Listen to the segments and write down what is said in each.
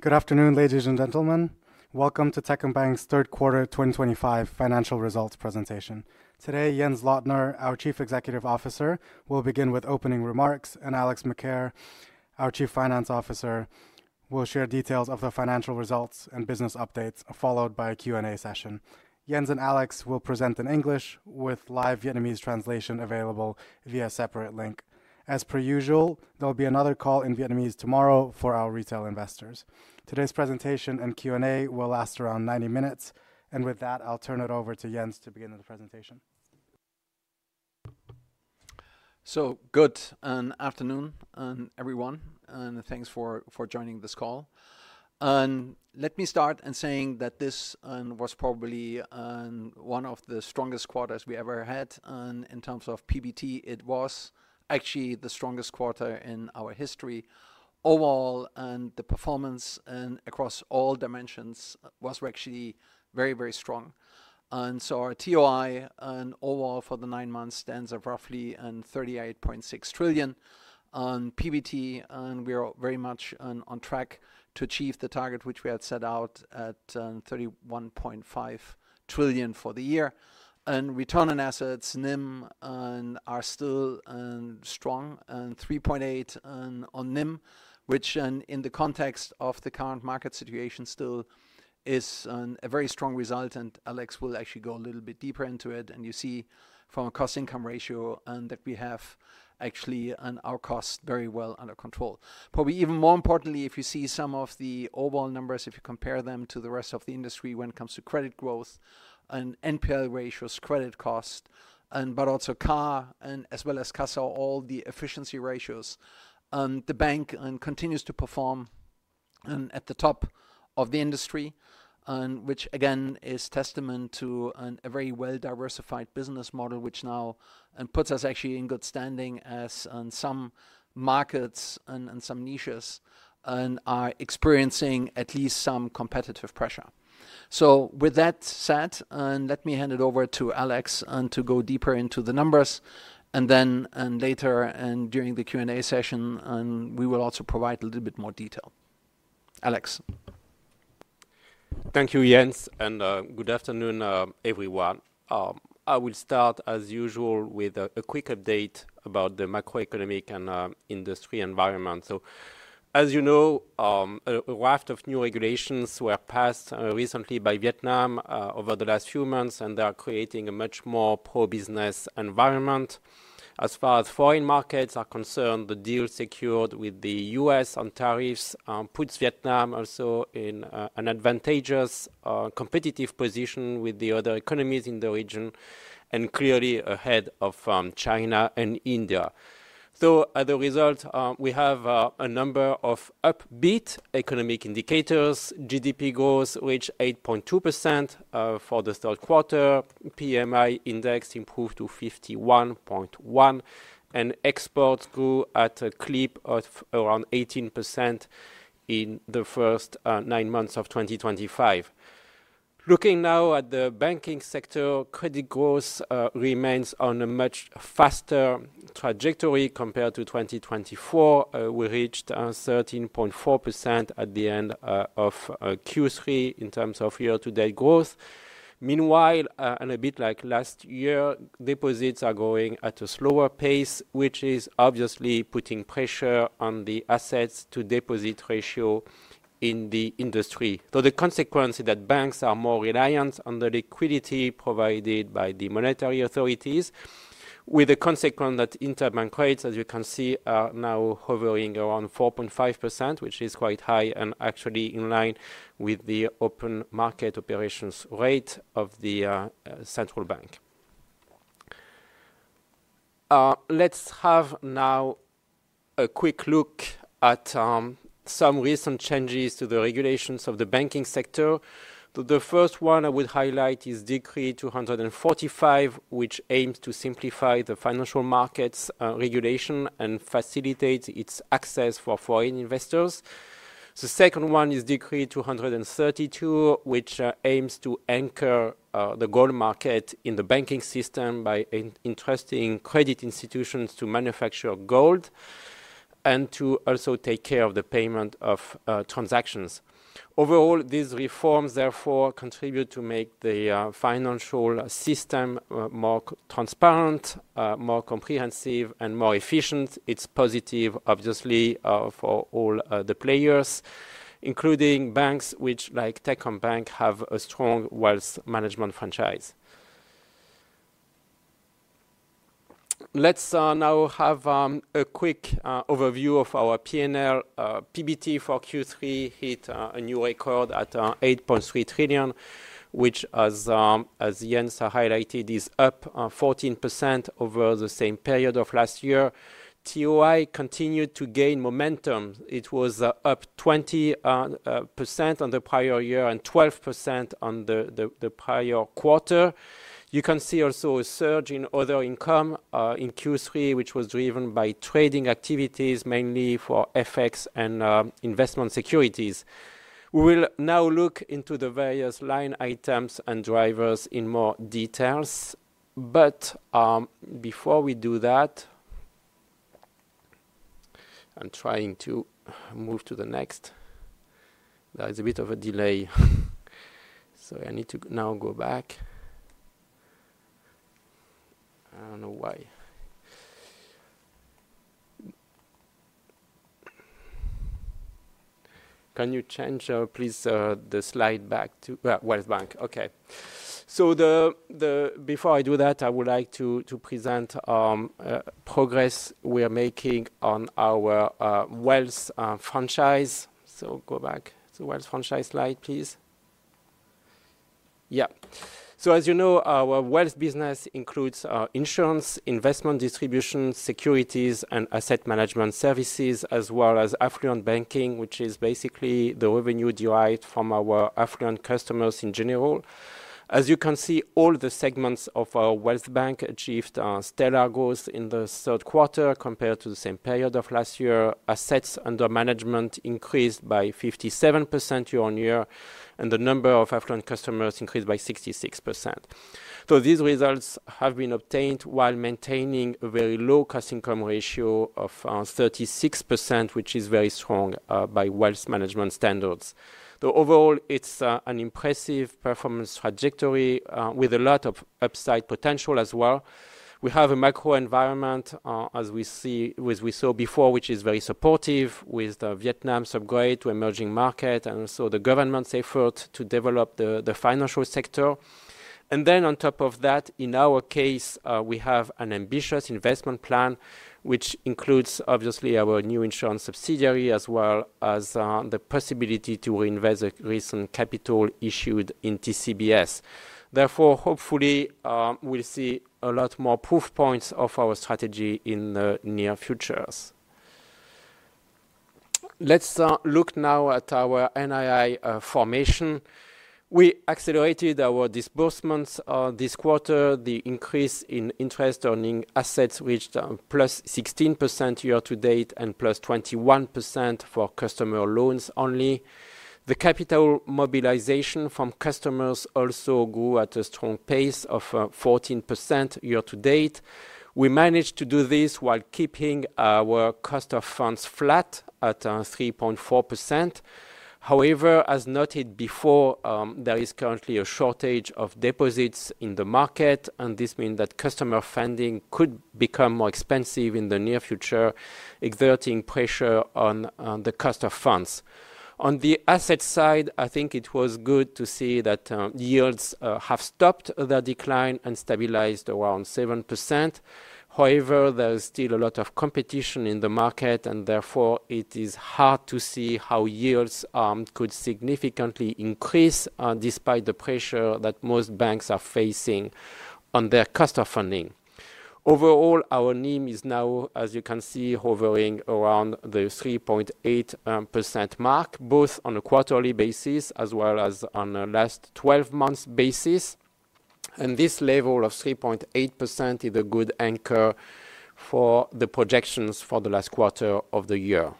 Good afternoon, ladies and gentlemen. Welcome to Techcombank's third quarter 2025 financial results presentation. Today, Jens Lottner, our Chief Executive Officer, will begin with opening remarks, and Alex Macaire, our Chief Financial Officer, will share details of the financial results and business updates, followed by a Q&A session. Jens and Alex will present in English, with live Vietnamese translation available via a separate link. As per usual, there will be another call in Vietnamese tomorrow for our retail investors. Today's presentation and Q&A will last around 90 minutes, and with that, I'll turn it over to Jens to begin the presentation. Good afternoon, everyone, and thanks for joining this call. Let me start by saying that this was probably one of the strongest quarters we ever had in terms of PBT. It was actually the strongest quarter in our history. Overall, the performance across all dimensions was actually very, very strong. Our TOI overall for the nine months stands at roughly 38.6 trillion. On PBT, we are very much on track to achieve the target which we had set out at 31.5 trillion for the year. Return on assets, NIM, are still strong. 3.8% on NIM, which in the context of the current market situation still is a very strong result. Alex will actually go a little bit deeper into it, and you see from a cost-income ratio that we have actually our costs very well under control. Probably even more importantly, if you see some of the overall numbers, if you compare them to the rest of the industry when it comes to credit growth, NPL ratios, credit costs, but also CAR, as well as CASA, all the efficiency ratios, the bank continues to perform at the top of the industry, which again is a testament to a very well-diversified business model, which now puts us actually in good standing as some markets and some niches are experiencing at least some competitive pressure. With that said, let me hand it over to Alex to go deeper into the numbers, and then later during the Q&A session, we will also provide a little bit more detail. Alex. Thank you, Jens, and good afternoon, everyone. I will start, as usual, with a quick update about the macroeconomic and industry environment. As you know, a raft of new regulations were passed recently by Vietnam over the last few months, and they are creating a much more pro-business environment. As far as foreign markets are concerned, the deal secured with the U.S. on tariffs puts Vietnam also in an advantageous competitive position with the other economies in the region and clearly ahead of China and India. As a result, we have a number of upbeat economic indicators. GDP growth reached 8.2% for the third quarter. PMI index improved to 51.1, and exports grew at a clip of around 18% in the first nine months of 2025. Looking now at the banking sector, credit growth remains on a much faster trajectory compared to 2024. We reached 13.4% at the end of Q3 in terms of year-to-date growth. Meanwhile, and a bit like last year, deposits are growing at a slower pace, which is obviously putting pressure on the assets-to-deposit ratio in the industry. The consequence is that banks are more reliant on the liquidity provided by the monetary authorities, with the consequence that interbank rates, as you can see, are now hovering around 4.5%, which is quite high and actually in line with the open market operations rate of the central bank. Let's have now a quick look at some recent changes to the regulations of the banking sector. The first one I would highlight is Decree 245, which aims to simplify the financial markets regulation and facilitate its access for foreign investors. The second one is Decree 232, which aims to anchor the gold market in the banking system by entrusting credit institutions to manufacture gold and to also take care of the payment of transactions. Overall, these reforms therefore contribute to make the financial system more transparent, more comprehensive, and more efficient. It's positive, obviously, for all the players, including banks which, like Techcombank, have a strong wealth management franchise. Let's now have a quick overview of our PNL. PBT for Q3 hit a new record at 8.3 trillion, which, as Jens highlighted, is up 14% over the same period of last year. TOI continued to gain momentum. It was up 20% on the prior year and 12% on the prior quarter. You can see also a surge in other income in Q3, which was driven by trading activities, mainly for FX and investment securities. We will now look into the various line items and drivers in more detail. Before we do that, I am trying to move to the next. There is a bit of a delay. I need to now go back. I do not know why. Can you change, please, the slide back to Wealth Bank? Before I do that, I would like to present the progress we are making on our wealth franchise. Go back to the wealth franchise slide, please. As you know, our wealth business includes insurance, investment distribution, securities, and asset management services, as well as affluent banking, which is basically the revenue derived from our affluent customers in general. As you can see, all the segments of our wealth bank achieved stellar growth in the third quarter compared to the same period of last year. Assets under management increased by 57% year on year, and the number of affluent customers increased by 66%. These results have been obtained while maintaining a very low cost-income ratio of 36%, which is very strong by wealth management standards. Overall, it is an impressive performance trajectory with a lot of upside potential as well. We have a macro environment, as we saw before, which is very supportive with Vietnam's upgrade to emerging markets and also the government's effort to develop the financial sector. In our case, we have an ambitious investment plan, which includes obviously our new insurance subsidiary, as well as the possibility to reinvest recent capital issued in TCBS. Hopefully, we will see a lot more proof points of our strategy in the near future. Let's look now at our NII formation. We accelerated our disbursements this quarter. The increase in interest earning assets reached +16% year to date and +21% for customer loans only. The capital mobilization from customers also grew at a strong pace of 14% year to date. We managed to do this while keeping our cost of funds flat at 3.4%. However, as noted before, there is currently a shortage of deposits in the market, and this means that customer funding could become more expensive in the near future, exerting pressure on the cost of funds. On the asset side, I think it was good to see that yields have stopped their decline and stabilized around 7%. There is still a lot of competition in the market, and therefore it is hard to see how yields could significantly increase despite the pressure that most banks are facing on their cost of funding. Overall, our NIM is now, as you can see, hovering around the 3.8% mark, both on a quarterly basis as well as on a last 12 months basis. This level of 3.8% is a good anchor for the projections for the last quarter of the year.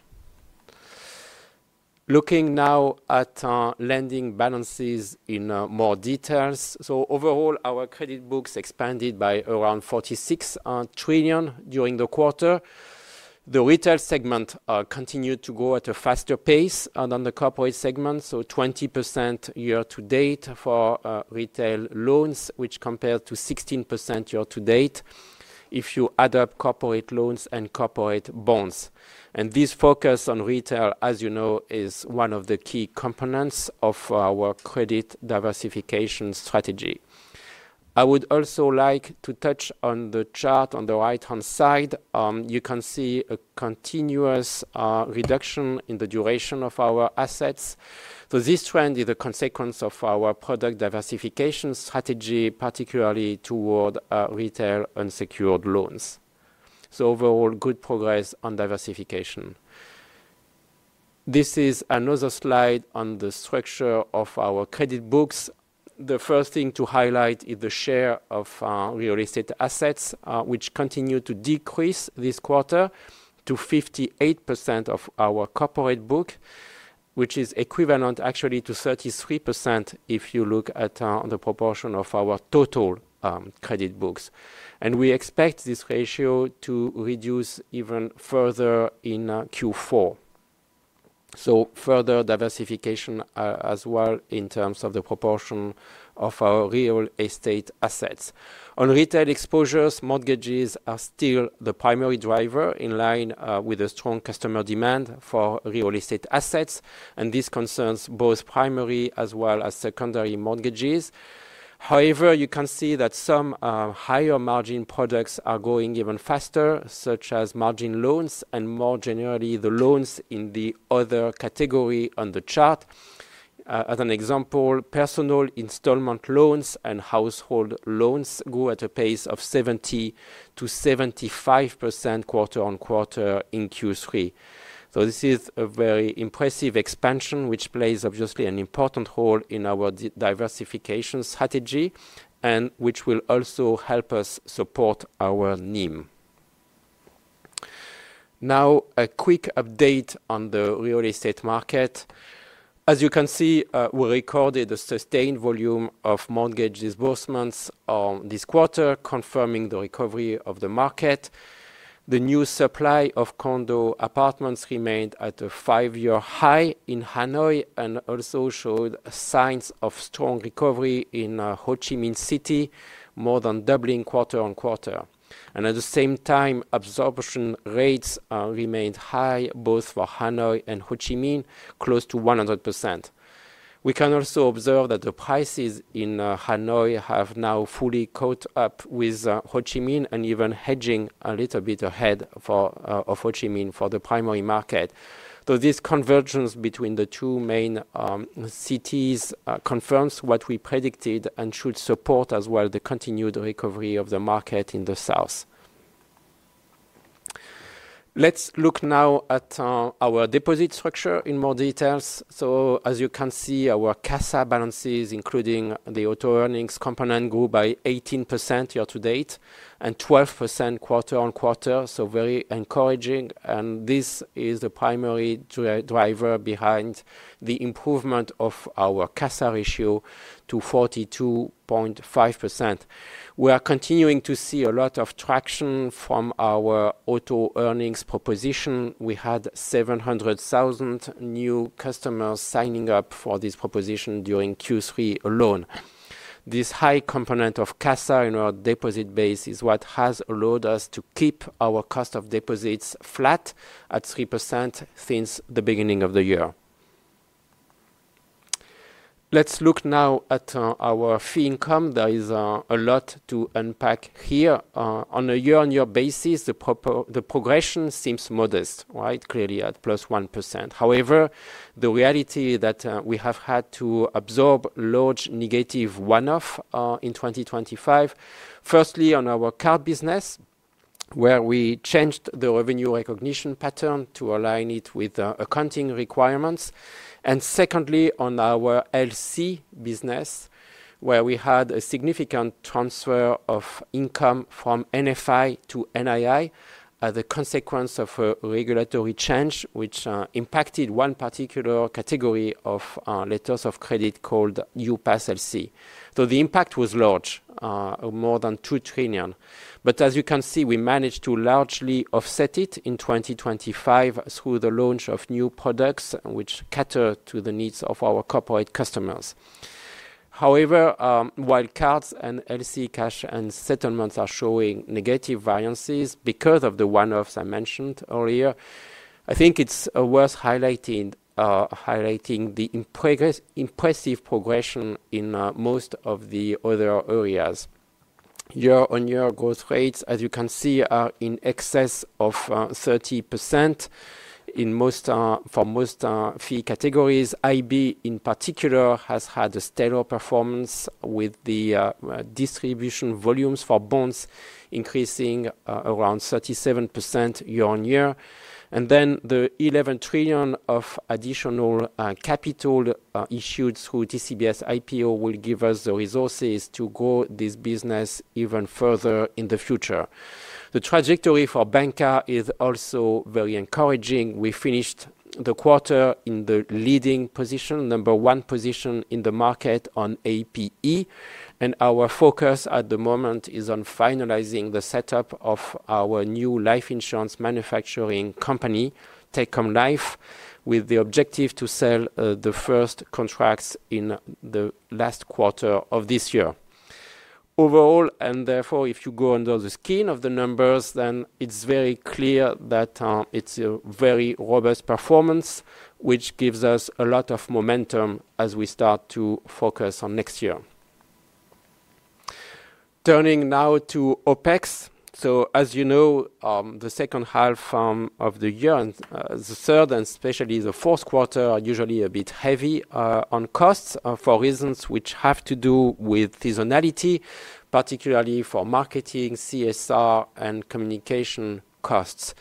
Looking now at lending balances in more detail. Overall, our credit books expanded by around 46 trillion during the quarter. The retail segment continued to grow at a faster pace than the corporate segment, 20% year to date for retail loans, which compared to 16% year to date if you add up corporate loans and corporate bonds. This focus on retail, as you know, is one of the key components of our credit diversification strategy. I would also like to touch on the chart on the right-hand side. You can see a continuous reduction in the duration of our assets. This trend is a consequence of our product diversification strategy, particularly toward retail unsecured loans. Overall, good progress on diversification. This is another slide on the structure of our credit books. The first thing to highlight is the share of real estate assets, which continued to decrease this quarter to 58% of our corporate book, which is equivalent actually to 33% if you look at the proportion of our total credit books. We expect this ratio to reduce even further in Q4. Further diversification as well in terms of the proportion of our real estate assets. On retail exposures, mortgages are still the primary driver in line with a strong customer demand for real estate assets, and this concerns both primary as well as secondary mortgages. However, you can see that some higher margin products are growing even faster, such as margin loans and more generally the loans in the other category on the chart. As an example, personal installment loans and household loans grew at a pace of 70%-75% quarter on quarter in Q3. This is a very impressive expansion, which plays obviously an important role in our diversification strategy and which will also help us support our NIM. Now, a quick update on the real estate market. As you can see, we recorded a sustained volume of mortgage disbursements this quarter, confirming the recovery of the market. The new supply of condo apartments remained at a five-year high in Hanoi and also showed signs of strong recovery in Ho Chi Minh City, more than doubling quarter on quarter. At the same time, absorption rates remained high both for Hanoi and Ho Chi Minh, close to 100%. We can also observe that the prices in Hanoi have now fully caught up with Ho Chi Minh and even edging a little bit ahead of Ho Chi Minh for the primary market. This convergence between the two main cities confirms what we predicted and should support as well the continued recovery of the market in the south. Let's look now at our deposit structure in more detail. As you can see, our CASA balances, including the auto earnings component, grew by 18% year to date and 12% quarter on quarter, which is very encouraging. This is the primary driver behind the improvement of our CASA ratio to 42.5%. We are continuing to see a lot of traction from our auto earnings proposition. We had 700,000 new customers signing up for this proposition during Q3 alone. This high component of CASA in our deposit base is what has allowed us to keep our cost of deposits flat at 3% since the beginning of the year. Let's look now at our fee income. There is a lot to unpack here. On a year-on-year basis, the progression seems modest, right? Clearly at +1%. However, the reality is that we have had to absorb large negative one-offs in 2023. Firstly, on our card business, where we changed the revenue recognition pattern to align it with accounting requirements. Secondly, on our LC business, where we had a significant transfer of income from NFI to NII as a consequence of a regulatory change, which impacted one particular category of letters of credit called UPASS LC. The impact was large, more than 2 trillion. As you can see, we managed to largely offset it in 2023 through the launch of new products which cater to the needs of our corporate customers. While cards and LC cash and settlements are showing negative variances because of the one-offs I mentioned earlier, I think it's worth highlighting the impressive progression in most of the other areas. Year-on-year growth rates, as you can see, are in excess of 30% for most fee categories. IB in particular has had a stellar performance with the distribution volumes for bonds increasing around 37% year on year. The 11 trillion of additional capital issued through TCBS IPO will give us the resources to grow this business even further in the future. The trajectory for Banka is also very encouraging. We finished the quarter in the leading position, number one position in the market on APE, and our focus at the moment is on finalizing the setup of our new life insurance manufacturing company, TechCon Life, with the objective to sell the first contracts in the last quarter of this year. Overall, if you go under the skin of the numbers, then it's very clear that it's a very robust performance, which gives us a lot of momentum as we start to focus on next year. Turning now to OpEx. As you know, the second half of the year and the third, and especially the fourth quarter, are usually a bit heavy on costs for reasons which have to do with seasonality, particularly for marketing, CSR, and communication costs.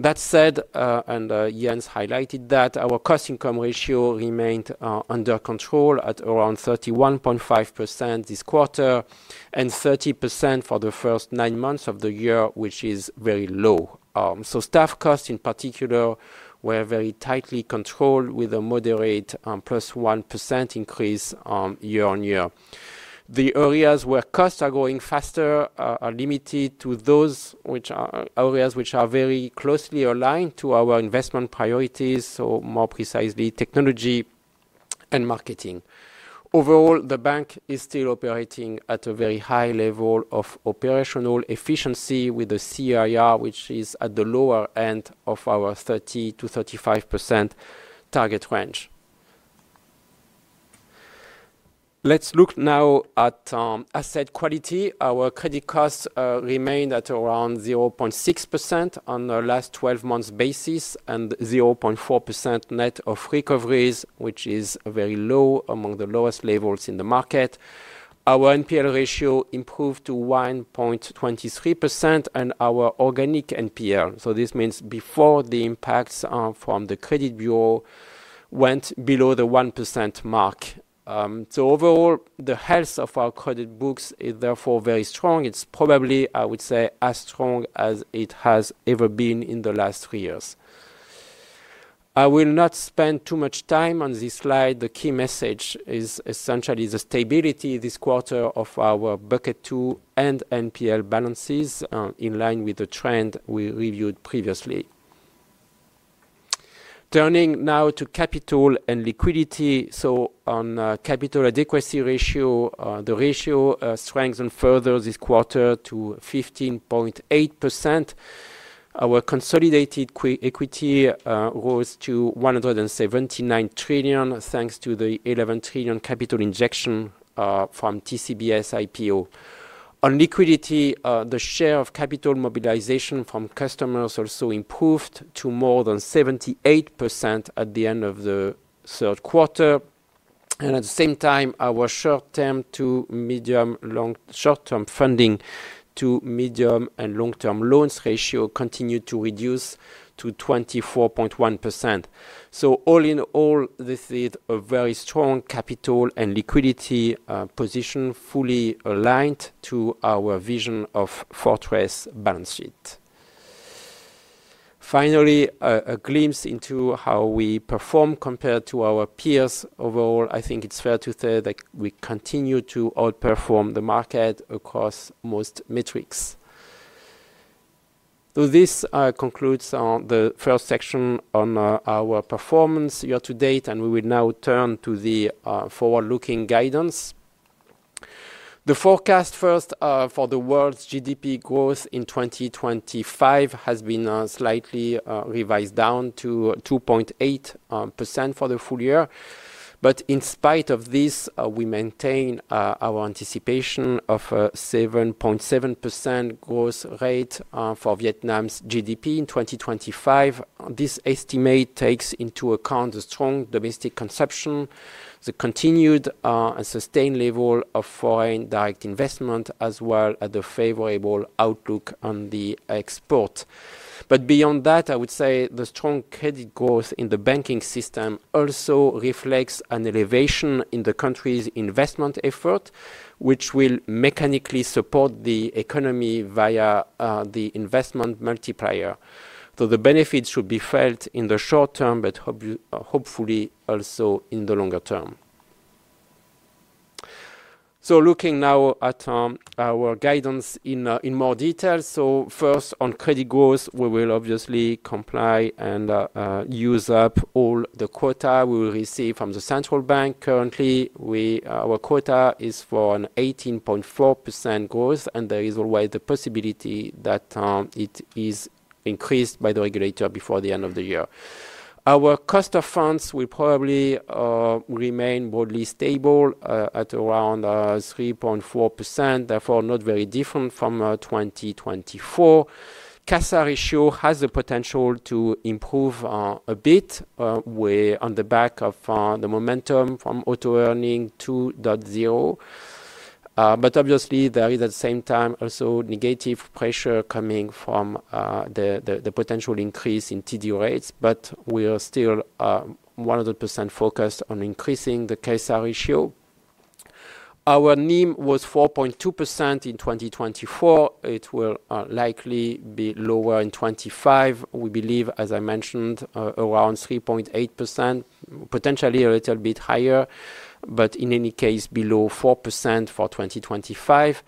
That said, and Jens highlighted that, our cost-income ratio remained under control at around 31.5% this quarter and 30% for the first nine months of the year, which is very low. Staff costs in particular were very tightly controlled with a moderate +1% increase year on year. The areas where costs are growing faster are limited to those areas which are very closely aligned to our investment priorities, or more precisely technology and marketing. Overall, the bank is still operating at a very high level of operational efficiency with a CIR which is at the lower end of our 30%-35% target range. Let's look now at asset quality. Our credit costs remained at around 0.6% on the last 12 months basis and 0.4% net of recoveries, which is very low among the lowest levels in the market. Our NPL ratio improved to 1.23% and our organic NPL, so this means before the impacts from the credit bureau, went below the 1% mark. Overall, the health of our credit books is therefore very strong. It's probably, I would say, as strong as it has ever been in the last three years. I will not spend too much time on this slide. The key message is essentially the stability this quarter of our bucket two and NPL balances in line with the trend we reviewed previously. Turning now to capital and liquidity. On the capital adequacy ratio, the ratio strengthened further this quarter to 15.8%. Our consolidated equity rose to 179 trillion, thanks to the 11 trillion capital injection from TCBS IPO. On liquidity, the share of capital mobilization from customers also improved to more than 78% at the end of the third quarter. At the same time, our short-term to medium-short-term funding to medium and long-term loans ratio continued to reduce to 24.1%. All in all, this is a very strong capital and liquidity position, fully aligned to our vision of fortress balance sheet. Finally, a glimpse into how we perform compared to our peers. Overall, I think it's fair to say that we continue to outperform the market across most metrics. This concludes the first section on our performance year to date, and we will now turn to the forward-looking guidance. The forecast for the world's GDP growth in 2025 has been slightly revised down to 2.8% for the full year. In spite of this, we maintain our anticipation of a 7.7% growth rate for Vietnam's GDP in 2025. This estimate takes into account the strong domestic consumption, the continued and sustained level of foreign direct investment, as well as a favorable outlook on the export. Beyond that, I would say the strong credit growth in the banking system also reflects an elevation in the country's investment effort, which will mechanically support the economy via the investment multiplier. The benefits should be felt in the short term, but hopefully also in the longer term. Looking now at our guidance in more detail. First, on credit growth, we will obviously comply and use up all the quota we will receive from the central bank. Currently, our quota is for an 18.4% growth, and there is always the possibility that it is increased by the regulator before the end of the year. Our cost of funds will probably remain broadly stable at around 3.4%, therefore not very different from 2024. CASA ratio has the potential to improve a bit on the back of the momentum from auto earning 2.0. Obviously, there is at the same time also negative pressure coming from the potential increase in TD rates. We are still 100% focused on increasing the CASA ratio. Our NIM was 4.2% in 2024. It will likely be lower in 2025. We believe, as I mentioned, around 3.8%, potentially a little bit higher, but in any case below 4% for 2025.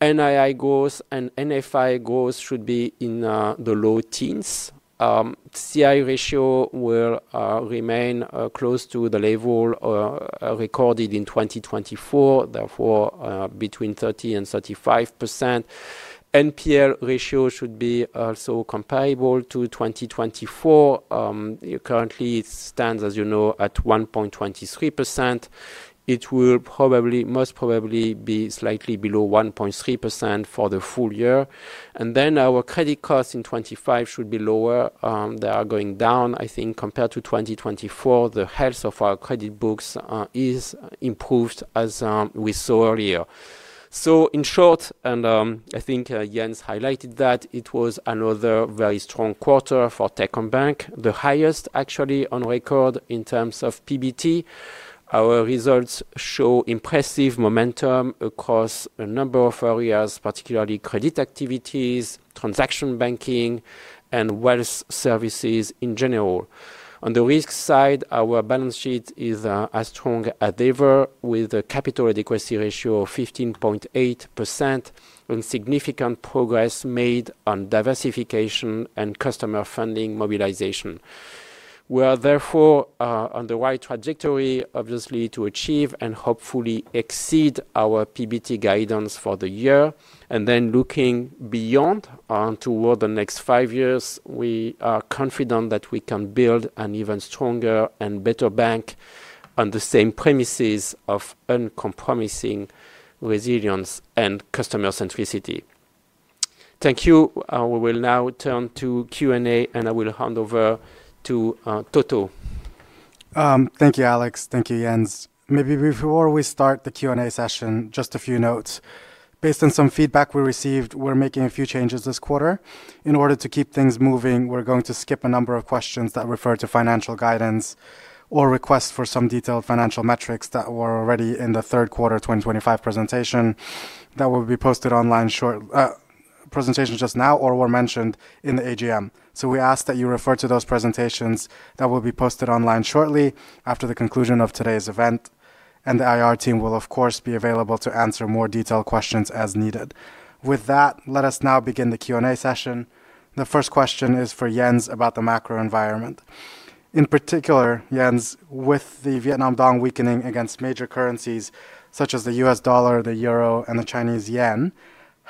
NII growth and NFI growth should be in the low teens. CIR ratio will remain close to the level recorded in 2024, therefore between 30% and 35%. NPL ratio should be also comparable to 2024. Currently, it stands, as you know, at 1.23%. It will probably, most probably, be slightly below 1.3% for the full year. Our credit costs in 2025 should be lower. They are going down, I think, compared to 2024. The health of our credit books is improved, as we saw earlier. In short, and I think Jens highlighted that, it was another very strong quarter for Techcombank, the highest actually on record in terms of PBT. Our results show impressive momentum across a number of areas, particularly credit activities, transaction banking, and wealth services in general. On the risk side, our balance sheet is as strong as ever, with a capital adequacy ratio of 15.8% and significant progress made on diversification and customer funding mobilization. We are therefore on the right trajectory, obviously, to achieve and hopefully exceed our PBT guidance for the year. Looking beyond toward the next five years, we are confident that we can build an even stronger and better bank on the same premises of uncompromising resilience and customer centricity. Thank you. We will now turn to Q&A, and I will hand over to Toto. Thank you, Alex. Thank you, Jens. Maybe before we start the Q&A session, just a few notes. Based on some feedback we received, we're making a few changes this quarter. In order to keep things moving, we're going to skip a number of questions that refer to financial guidance or requests for some detailed financial metrics that were already in the third quarter 2025 presentation that will be posted online shortly. Presentations just now or were mentioned in the AGM. We ask that you refer to those presentations that will be posted online shortly after the conclusion of today's event. The IR team will, of course, be available to answer more detailed questions as needed. With that, let us now begin the Q&A session. The first question is for Jens about the macro environment. In particular, Jens, with the Vietnam Dong weakening against major currencies such as the U.S. dollar, the euro, and the Chinese yen,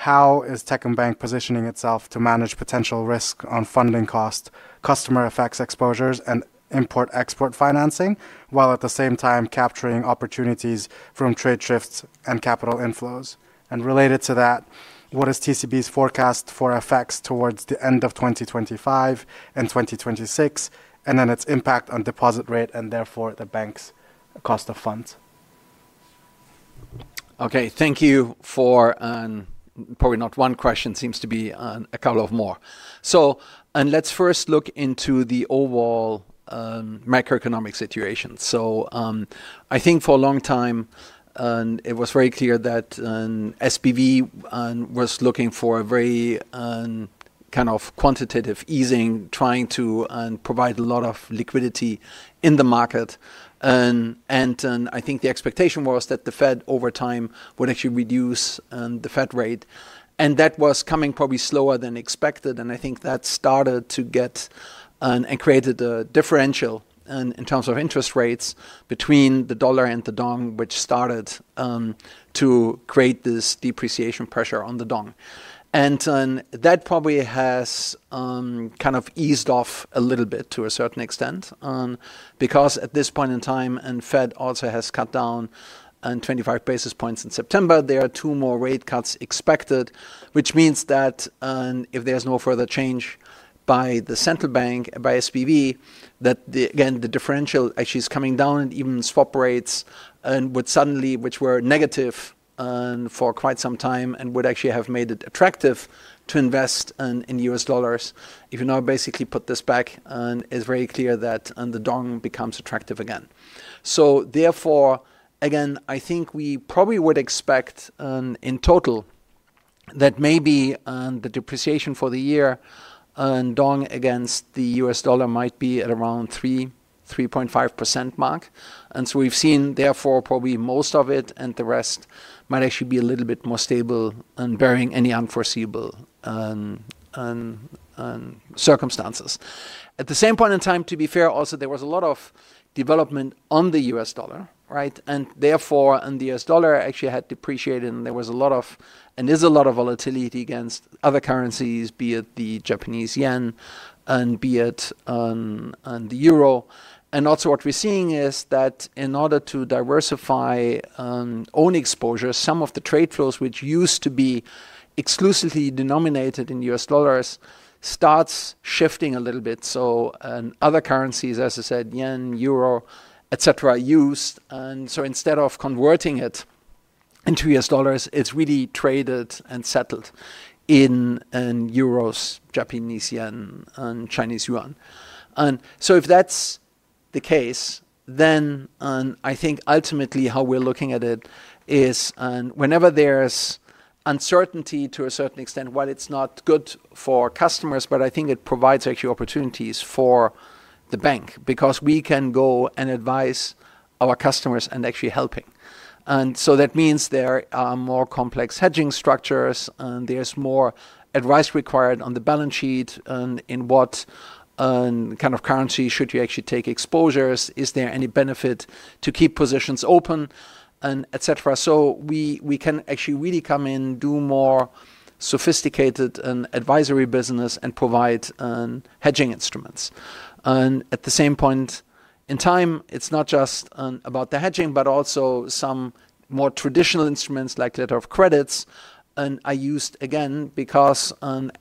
how is Techcombank positioning itself to manage potential risk on funding costs, customer FX exposures, and import-export financing, while at the same time capturing opportunities from trade shifts and capital inflows? Related to that, what is TCB's forecast for FX towards the end of 2025 and 2026, and then its impact on deposit rate and therefore the bank's cost of funds? Okay, thank you for probably not one question, seems to be a couple of more. Let's first look into the overall macroeconomic situation. I think for a long time, it was very clear that SPV was looking for a very kind of quantitative easing, trying to provide a lot of liquidity in the market. I think the expectation was that the Fed over time would actually reduce the Fed rate. That was coming probably slower than expected. I think that started to get and created a differential in terms of interest rates between the dollar and the dong, which started to create this depreciation pressure on the dong. That probably has kind of eased off a little bit to a certain extent because at this point in time, the Fed also has cut down 25 basis points in September. There are two more rate cuts expected, which means that if there's no further change by the central bank and by SPV, the differential actually is coming down and even swap rates would suddenly, which were negative for quite some time, and would actually have made it attractive to invest in U.S. dollars. If you now basically put this back, it's very clear that the dong becomes attractive again. Therefore, I think we probably would expect in total that maybe the depreciation for the year and dong against the U.S. dollar might be at around 3.5% mark. We've seen therefore probably most of it and the rest might actually be a little bit more stable and bearing any unforeseeable circumstances. At the same point in time, to be fair, also there was a lot of development on the U.S. dollar, right? Therefore, the U.S. dollar actually had depreciated and there was a lot of, and there's a lot of volatility against other currencies, be it the Japanese yen and be it the euro. Also what we're seeing is that in order to diversify own exposure, some of the trade flows which used to be exclusively denominated in U.S. dollars start shifting a little bit. Other currencies, as I said, yen, euro, etc., are used. Instead of converting it into U.S. dollars, it's really traded and settled in euros, Japanese yen, and Chinese yuan. If that's the case, then I think ultimately how we're looking at it is whenever there's uncertainty to a certain extent, while it's not good for customers, I think it provides actually opportunities for the bank because we can go and advise our customers and actually helping. That means there are more complex hedging structures and there's more advice required on the balance sheet and in what kind of currency should you actually take exposures, is there any benefit to keep positions open, etc. We can actually really come in, do more sophisticated advisory business and provide hedging instruments. At the same point in time, it's not just about the hedging, but also some more traditional instruments like letter of credits. I used again because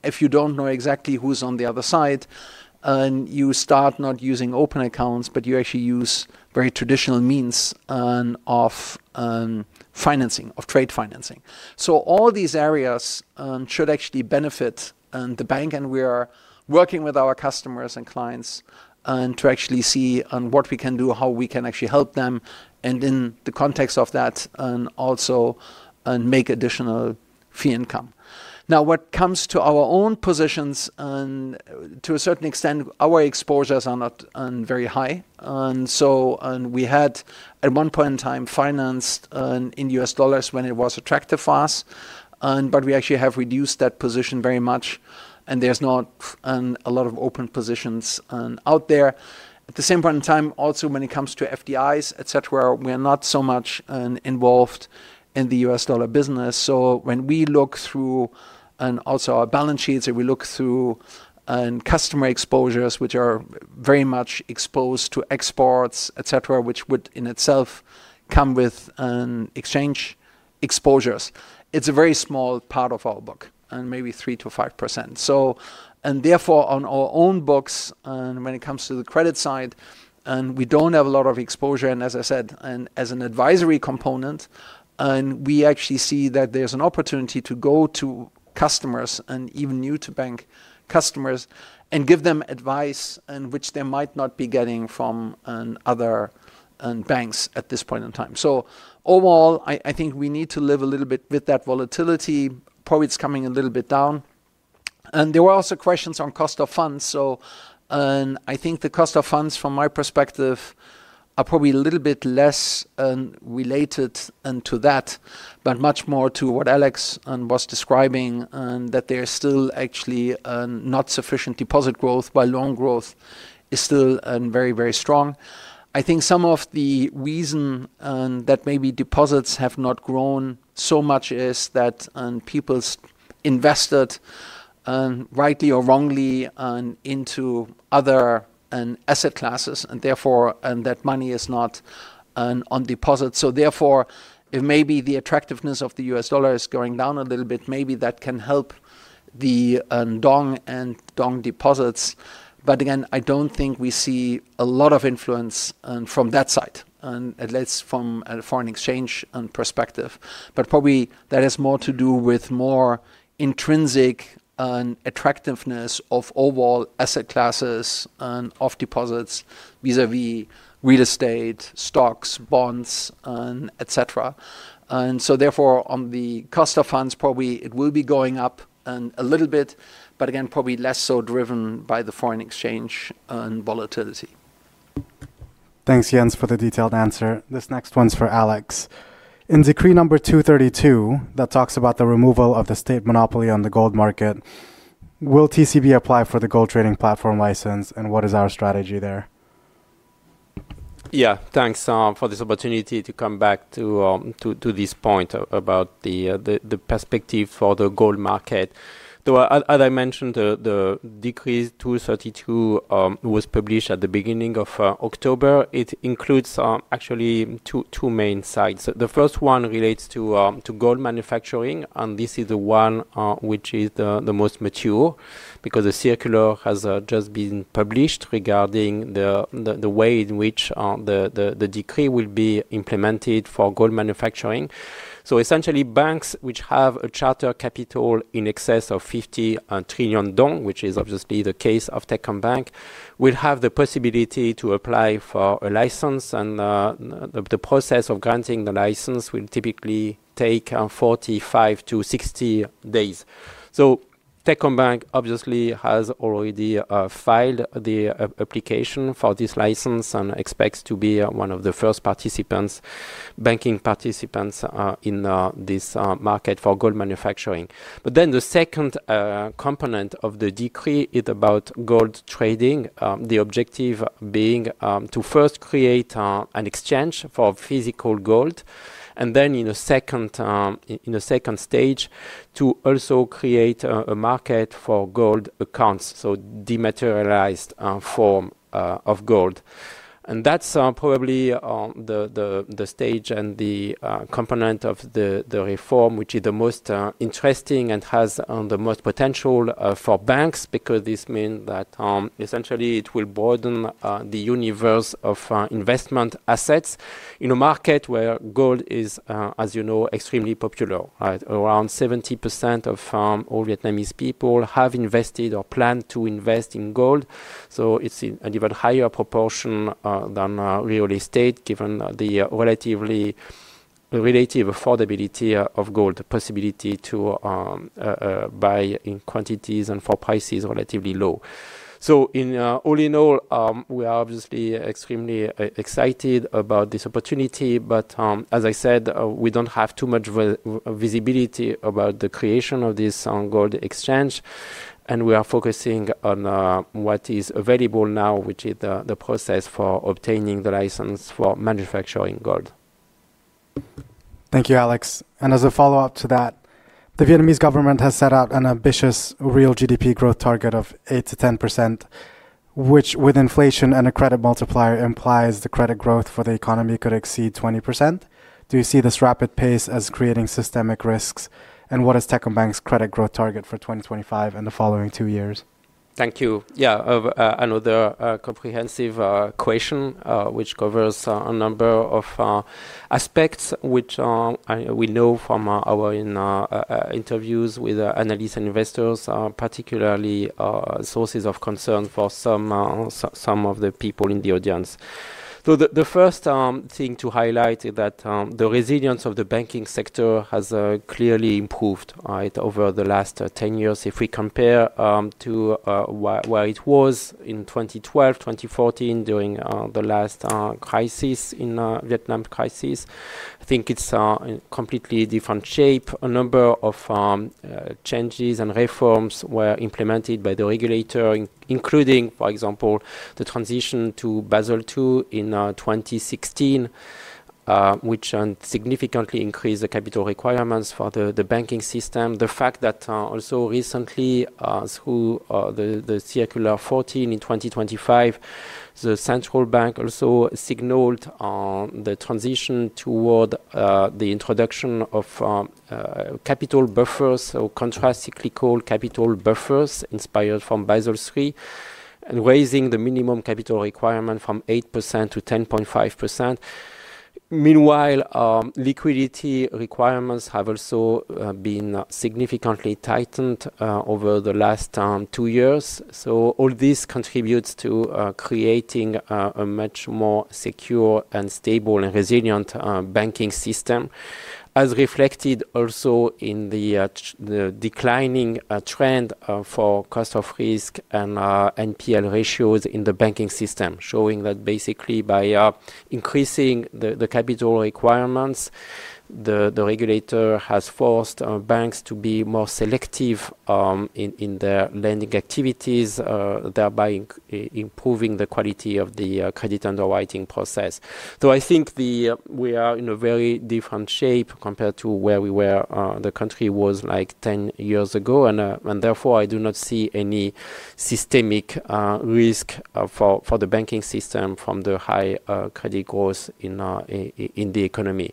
if you don't know exactly who's on the other side and you start not using open accounts, but you actually use very traditional means of financing, of trade financing. All these areas should actually benefit the bank and we are working with our customers and clients to actually see what we can do, how we can actually help them, and in the context of that, also make additional fee income. Now, what comes to our own positions and to a certain extent, our exposures are not very high. We had at one point in time financed in U.S. dollars when it was attractive for us, but we actually have reduced that position very much and there's not a lot of open positions out there. At the same point in time, also when it comes to FDIs, etc., we are not so much involved in the U.S. dollar business. When we look through and also our balance sheets and we look through customer exposures, which are very much exposed to exports, etc., which would in itself come with exchange exposures, it's a very small part of our book, maybe 3%-5%. Therefore, on our own books, when it comes to the credit side, we don't have a lot of exposure. As I said, as an advisory component, we actually see that there's an opportunity to go to customers and even new to bank customers and give them advice which they might not be getting from other banks at this point in time. Overall, I think we need to live a little bit with that volatility. Probably it's coming a little bit down. There were also questions on cost of funds. I think the cost of funds, from my perspective, are probably a little bit less related to that, but much more to what Alex Macaire was describing, that there's still actually not sufficient deposit growth, while loan growth is still very, very strong. I think some of the reason that maybe deposits have not grown so much is that people invested rightly or wrongly into other asset classes, and therefore that money is not on deposit. Therefore, if maybe the attractiveness of the U.S. dollar is going down a little bit, maybe that can help the dong and dong deposits. I don't think we see a lot of influence from that side, at least from a foreign exchange perspective. That probably has more to do with more intrinsic attractiveness of overall asset classes and of deposits vis-à-vis real estate, stocks, bonds, etc. Therefore, on the cost of funds, probably it will be going up a little bit, but probably less so driven by the foreign exchange and volatility. Thanks, Jens, for the detailed answer. This next one's for Alex. In Decree number 232 that talks about the removal of the state monopoly on the gold market, will Techcombank apply for the gold trading platform license, and what is our strategy there? Yeah, thanks for this opportunity to come back to this point about the perspective for the gold market. As I mentioned, the Decree 232 was published at the beginning of October. It includes actually two main sides. The first one relates to gold manufacturing, and this is the one which is the most mature because the circular has just been published regarding the way in which the decree will be implemented for gold manufacturing. Essentially, banks which have a charter capital in excess of 50 trillion dong, which is obviously the case of Techcombank, will have the possibility to apply for a license, and the process of granting the license will typically take 45-60 days. Techcombank obviously has already filed the application for this license and expects to be one of the first banking participants in this market for gold manufacturing. The second component of the decree is about gold trading, the objective being to first create an exchange for physical gold, and then in a second stage, to also create a market for gold accounts, so dematerialized form of gold. That's probably the stage and the component of the reform which is the most interesting and has the most potential for banks because this means that essentially it will broaden the universe of investment assets in a market where gold is, as you know, extremely popular. Around 70% of all Vietnamese people have invested or plan to invest in gold. It's a little bit higher proportion than real estate, given the relative affordability of gold, the possibility to buy in quantities and for prices relatively low. In all, we are obviously extremely excited about this opportunity, but as I said, we don't have too much visibility about the creation of this gold exchange, and we are focusing on what is available now, which is the process for obtaining the license for manufacturing gold. Thank you, Alex. As a follow-up to that, the Vietnamese government has set out an ambitious real GDP growth target of 8%-10%, which with inflation and a credit multiplier implies the credit growth for the economy could exceed 20%. Do you see this rapid pace as creating systemic risks, and what is Techcombank's credit growth target for 2025 and the following two years? Thank you. Yeah, another comprehensive question, which covers a number of aspects, which we know from our interviews with analysts and investors, particularly sources of concern for some of the people in the audience. The first thing to highlight is that the resilience of the banking sector has clearly improved over the last 10 years. If we compare to where it was in 2012, 2014, during the last Vietnam crisis, I think it's in a completely different shape. A number of changes and reforms were implemented by the regulator, including, for example, the transition to Basel II in 2016, which significantly increased the capital requirements for the banking system. The fact that also recently, through the Circular 14 in 2025, the central bank also signaled the transition toward the introduction of capital buffers, so contracyclical capital buffers inspired from Basel III, and raising the minimum capital requirement from 8%-10.5%. Meanwhile, liquidity requirements have also been significantly tightened over the last two years. All this contributes to creating a much more secure and stable and resilient banking system, as reflected also in the declining trend for cost of risk and NPL ratios in the banking system, showing that basically by increasing the capital requirements, the regulator has forced banks to be more selective in their lending activities, thereby improving the quality of the credit underwriting process. I think we are in a very different shape compared to where we were. The country was like 10 years ago, and therefore I do not see any systemic risk for the banking system from the high credit growth in the economy.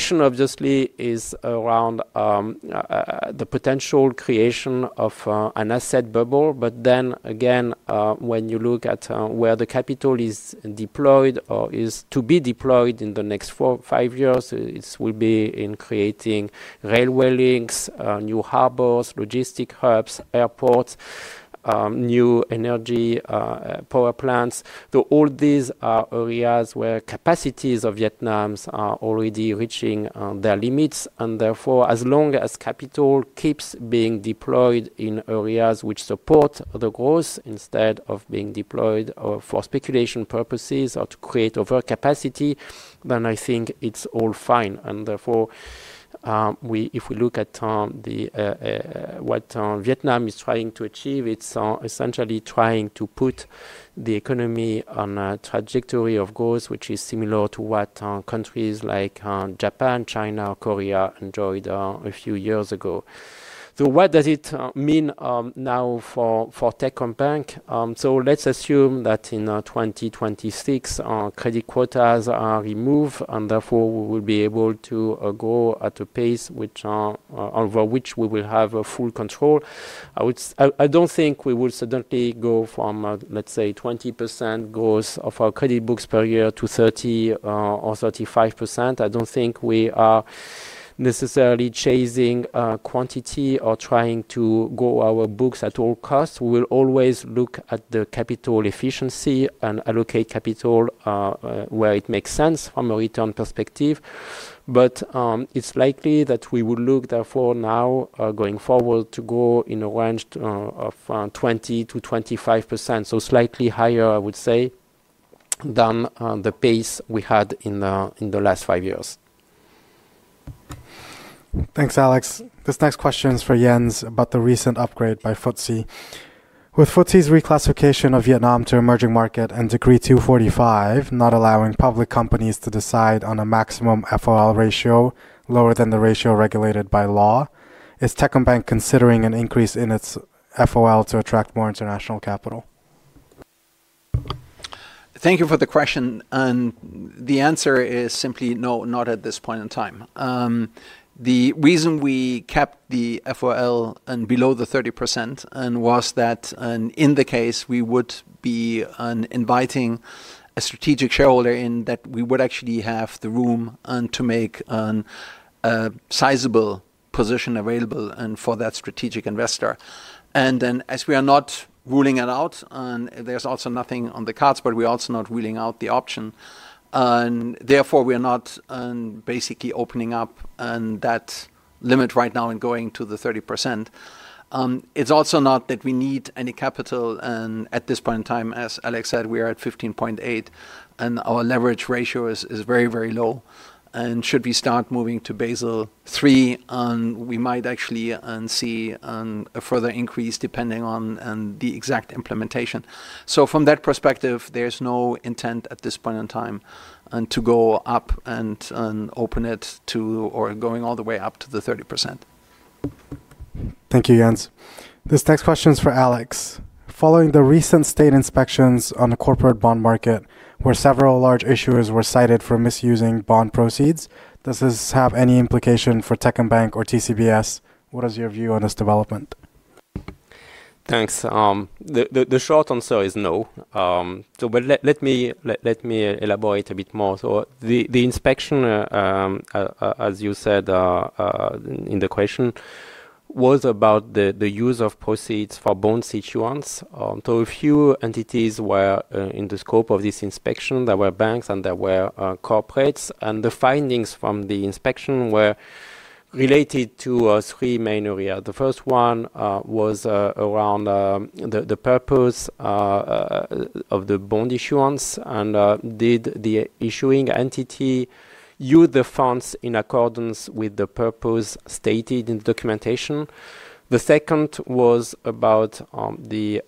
The question obviously is around the potential creation of an asset bubble, but then again, when you look at where the capital is deployed or is to be deployed in the next four or five years, this will be in creating railway links, new harbors, logistic hubs, airports, new energy power plants. All these are areas where the capacities of Vietnam are already reaching their limits, and therefore, as long as capital keeps being deployed in areas which support the growth instead of being deployed for speculation purposes or to create over-capacity, I think it's all fine. If we look at what Vietnam is trying to achieve, it's essentially trying to put the economy on a trajectory of growth which is similar to what countries like Japan, China, or Korea enjoyed a few years ago. What does it mean now for Techcombank? Let's assume that in 2026, credit quotas are removed, and therefore we will be able to grow at a pace over which we will have full control. I don't think we will suddenly go from, let's say, 20% growth of our credit books per year to 30% or 35%. I don't think we are necessarily chasing quantity or trying to grow our books at all costs. We will always look at the capital efficiency and allocate capital where it makes sense from a return perspective. It's likely that we would look therefore now going forward to grow in a range of 20%-25%, so slightly higher, I would say, than the pace we had in the last five years. Thanks, Alex. This next question is for Jens about the recent upgrade by FTSE. With FTSE's reclassification of Vietnam to emerging market and Decree 245 not allowing public companies to decide on a maximum FOL ratio lower than the ratio regulated by law, is Techcombank considering an increase in its FOL to attract more international capital? Thank you for the question. The answer is simply no, not at this point in time. The reason we kept the FOL below the 30% was that in the case we would be inviting a strategic shareholder in, we would actually have the room to make a sizable position available for that strategic investor. As we are not ruling it out, there's also nothing on the cards, but we're also not ruling out the option. Therefore, we are not basically opening up that limit right now and going to the 30%. It's also not that we need any capital at this point in time. As Alex Macaire said, we are at 15.8% and our leverage ratio is very, very low. Should we start moving to Basel III, we might actually see a further increase depending on the exact implementation. From that perspective, there's no intent at this point in time to go up and open it to or going all the way up to the 30%. Thank you, Jens. This next question is for Alex. Following the recent state inspections on the corporate bond market, where several large issuers were cited for misusing bond proceeds, does this have any implication for Techcombank or TCBS? What is your view on this development? Thanks. The short answer is no. Let me elaborate a bit more. The inspection, as you said in the question, was about the use of proceeds for bond issuances. A few entities were in the scope of this inspection. There were banks and there were corporates. The findings from the inspection were related to three main areas. The first one was around the purpose of the bond issuance and whether the issuing entity used the funds in accordance with the purpose stated in the documentation. The second was about the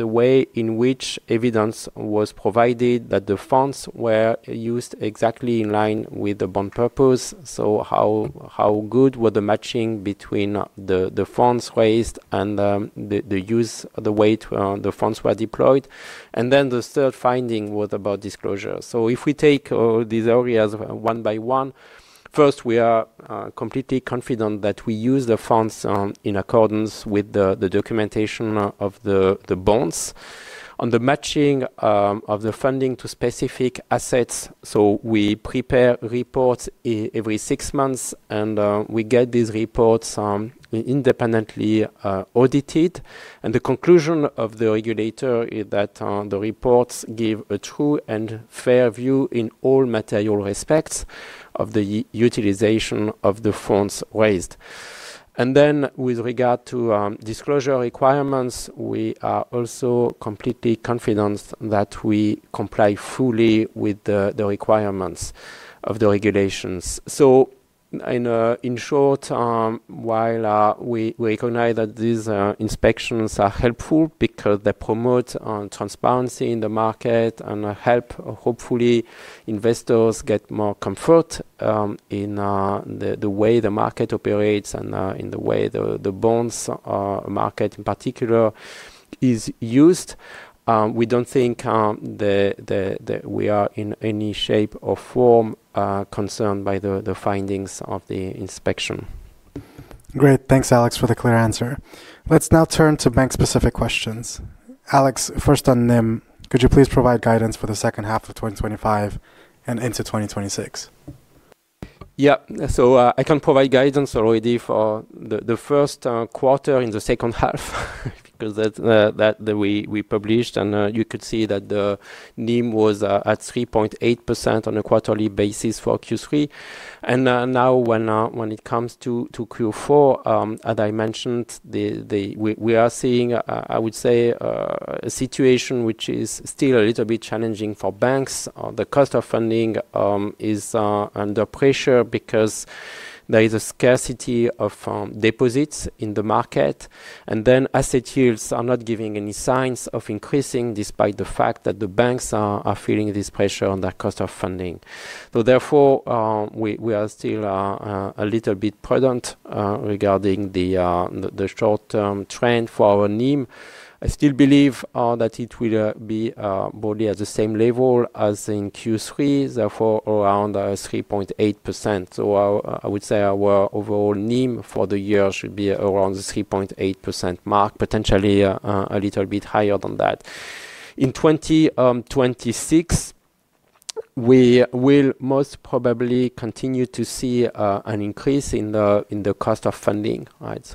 way in which evidence was provided that the funds were used exactly in line with the bond purpose. How good was the matching between the funds raised and the way the funds were deployed? The third finding was about disclosure. If we take these areas one by one, first, we are completely confident that we use the funds in accordance with the documentation of the bonds. On the matching of the funding to specific assets, we prepare reports every six months and we get these reports independently audited. The conclusion of the regulator is that the reports give a true and fair view in all material respects of the utilization of the funds raised. With regard to disclosure requirements, we are also completely confident that we comply fully with the requirements of the regulations. In short, while we recognize that these inspections are helpful because they promote transparency in the market and help hopefully investors get more comfort in the way the market operates and in the way the bonds market in particular is used, we don't think that we are in any shape or form concerned by the findings of the inspection. Great, thanks Alex for the clear answer. Let's now turn to bank-specific questions. Alex, first on NIM, could you please provide guidance for the second half of 2025 and into 2026? Yeah, so I can provide guidance already for the first quarter in the second half because that we published and you could see that the NIM was at 3.8% on a quarterly basis for Q3. Now when it comes to Q4, as I mentioned, we are seeing, I would say, a situation which is still a little bit challenging for banks. The cost of funding is under pressure because there is a scarcity of deposits in the market, and asset yields are not giving any signs of increasing despite the fact that the banks are feeling this pressure on that cost of funding. Therefore, we are still a little bit prudent regarding the short-term trend for our NIM. I still believe that it will be broadly at the same level as in Q3, therefore around 3.8%. I would say our overall NIM for the year should be around the 3.8% mark, potentially a little bit higher than that. In 2026, we will most probably continue to see an increase in the cost of funding, right?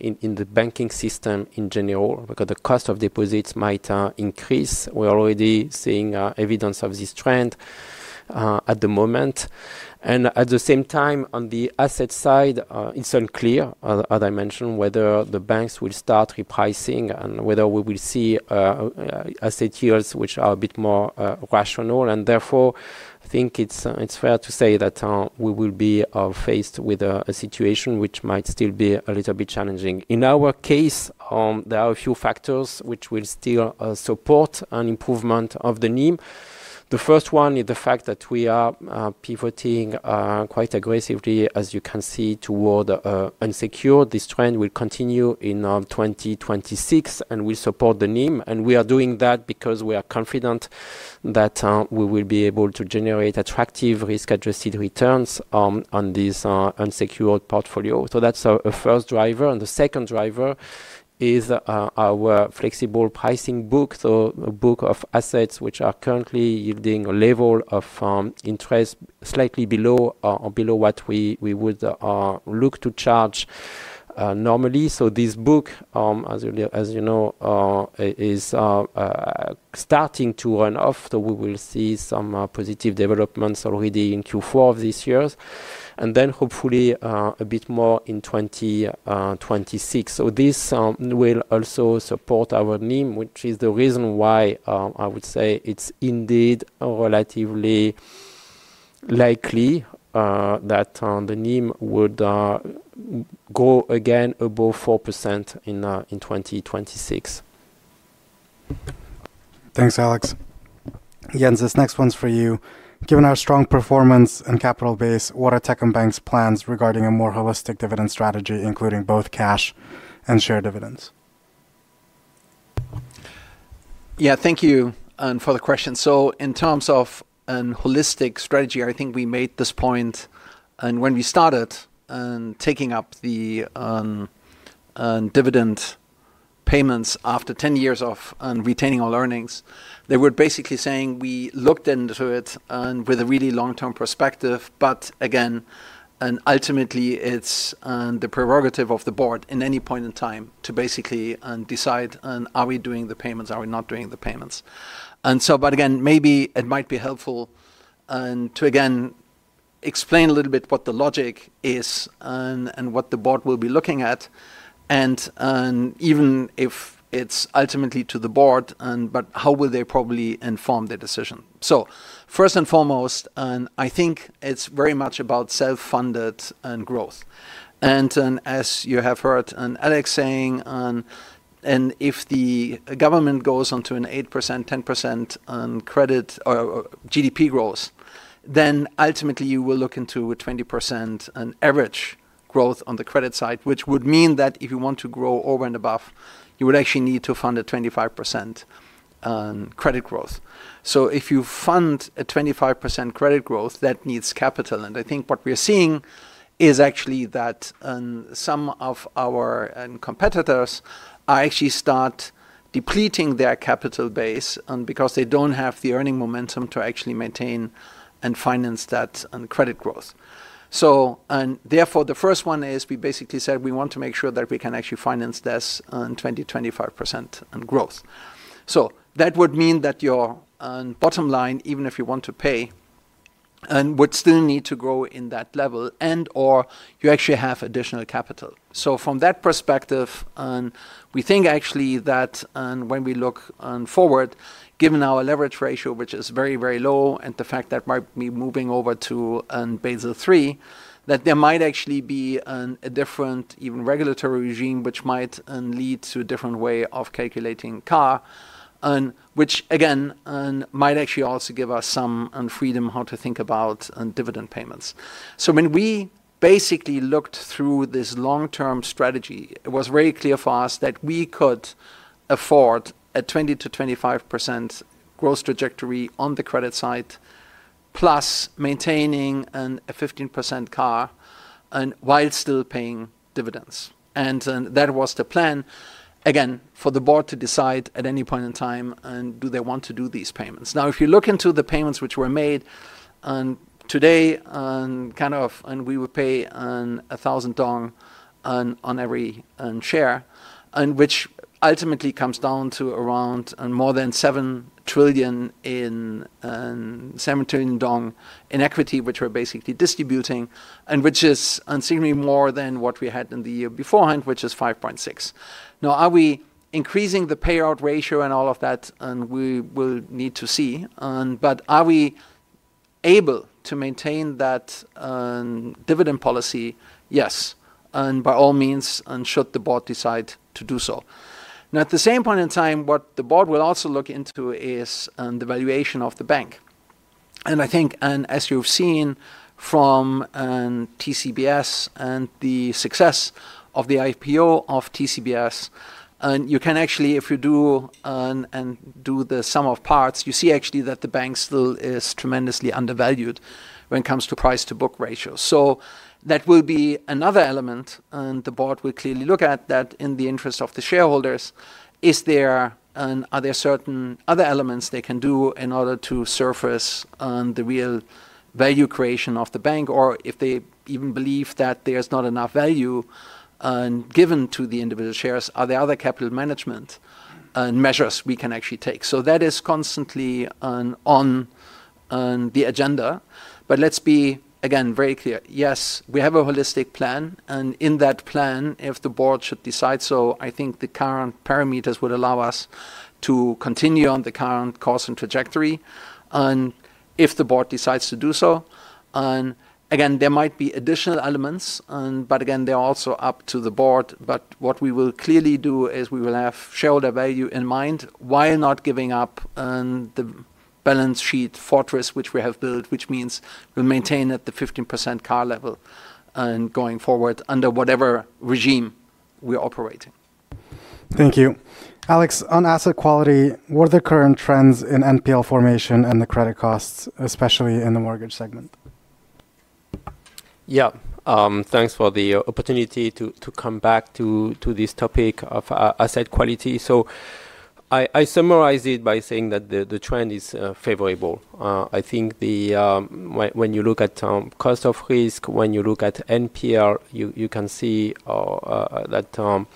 In the banking system in general, because the cost of deposits might increase, we're already seeing evidence of this trend at the moment. At the same time, on the asset side, it's unclear, as I mentioned, whether the banks will start repricing and whether we will see asset yields which are a bit more rational. Therefore, I think it's fair to say that we will be faced with a situation which might still be a little bit challenging. In our case, there are a few factors which will still support an improvement of the NIM. The first one is the fact that we are pivoting quite aggressively, as you can see, toward unsecured. This trend will continue in 2026 and will support the NIM. We are doing that because we are confident that we will be able to generate attractive risk-adjusted returns on this unsecured portfolio. That's our first driver. The second driver is our flexible pricing book, so a book of assets which are currently yielding a level of interest slightly below what we would look to charge normally. This book, as you know, is starting to run off. We will see some positive developments already in Q4 of this year and then hopefully a bit more in 2026. This will also support our NIM, which is the reason why I would say it's indeed relatively likely that the NIM would grow again above 4% in 2026. Thanks, Alex. Jens, this next one's for you. Given our strong performance and capital base, what are Techcombank's plans regarding a more holistic dividend strategy, including both cash and share dividends? Yeah, thank you for the question. In terms of a holistic strategy, I think we made this point when we started taking up the dividend payments after 10 years of retaining our earnings. They were basically saying we looked into it with a really long-term perspective, but ultimately it's the prerogative of the board at any point in time to basically decide, are we doing the payments, are we not doing the payments? It might be helpful to again explain a little bit what the logic is and what the board will be looking at. Even if it's ultimately to the board, how will they probably inform their decision? First and foremost, I think it's very much about self-funded growth. As you have heard Alex Macaire saying, if the government goes onto an 8%, 10% credit or GDP growth, then ultimately you will look into a 20% average growth on the credit side, which would mean that if you want to grow over and above, you would actually need to fund a 25% credit growth. If you fund a 25% credit growth, that needs capital. I think what we're seeing is actually that some of our competitors actually start depleting their capital base because they don't have the earning momentum to actually maintain and finance that credit growth. Therefore, the first one is we basically said we want to make sure that we can actually finance this 20%-25% growth. That would mean that your bottom line, even if you want to pay, would still need to grow in that level and/or you actually have additional capital. From that perspective, we think actually that when we look forward, given our leverage ratio, which is very, very low, and the fact that we might be moving over to Basel III, there might actually be a different even regulatory regime, which might lead to a different way of calculating CAR, which again might actually also give us some freedom how to think about dividend payments. When we basically looked through this long-term strategy, it was very clear for us that we could afford a 20%-25% growth trajectory on the credit side, plus maintaining a 15% CAR while still paying dividends. That was the plan, again, for the board to decide at any point in time, do they want to do these payments? Now, if you look into the payments which were made today, we would pay 1,000 dong on every share, which ultimately comes down to around more than 7 trillion in equity, which we're basically distributing, and which is significantly more than what we had in the year beforehand, which is 5.6%. Are we increasing the payout ratio and all of that? We will need to see. Are we able to maintain that dividend policy? Yes, and by all means, should the board decide to do so. At the same point in time, what the board will also look into is the valuation of the bank. I think, as you've seen from TCBS and the success of the IPO of TCBS, you can actually, if you do the sum of parts, you see actually that the bank still is tremendously undervalued when it comes to price-to-book ratios. That will be another element, and the board will clearly look at that in the interest of the shareholders. Are there certain other elements they can do in order to surface the real value creation of the bank, or if they even believe that there's not enough value given to the individual shares, are there other capital management measures we can actually take? That is constantly on the agenda. Let's be again very clear. Yes, we have a holistic plan, and in that plan, if the board should decide so, I think the current parameters would allow us to continue on the current course and trajectory. If the board decides to do so, again, there might be additional elements, but again, they're also up to the board. What we will clearly do is we will have shareholder value in mind while not giving up the balance sheet fortress which we have built, which means we'll maintain at the 15% CAR level and going forward under whatever regime we're operating. Thank you. Alex, on asset quality, what are the current trends in NPL formation and the credit costs, especially in the mortgage segment? Yeah, thanks for the opportunity to come back to this topic of asset quality. I summarize it by saying that the trend is favorable. I think when you look at cost of risk, when you look at NPL, you can see that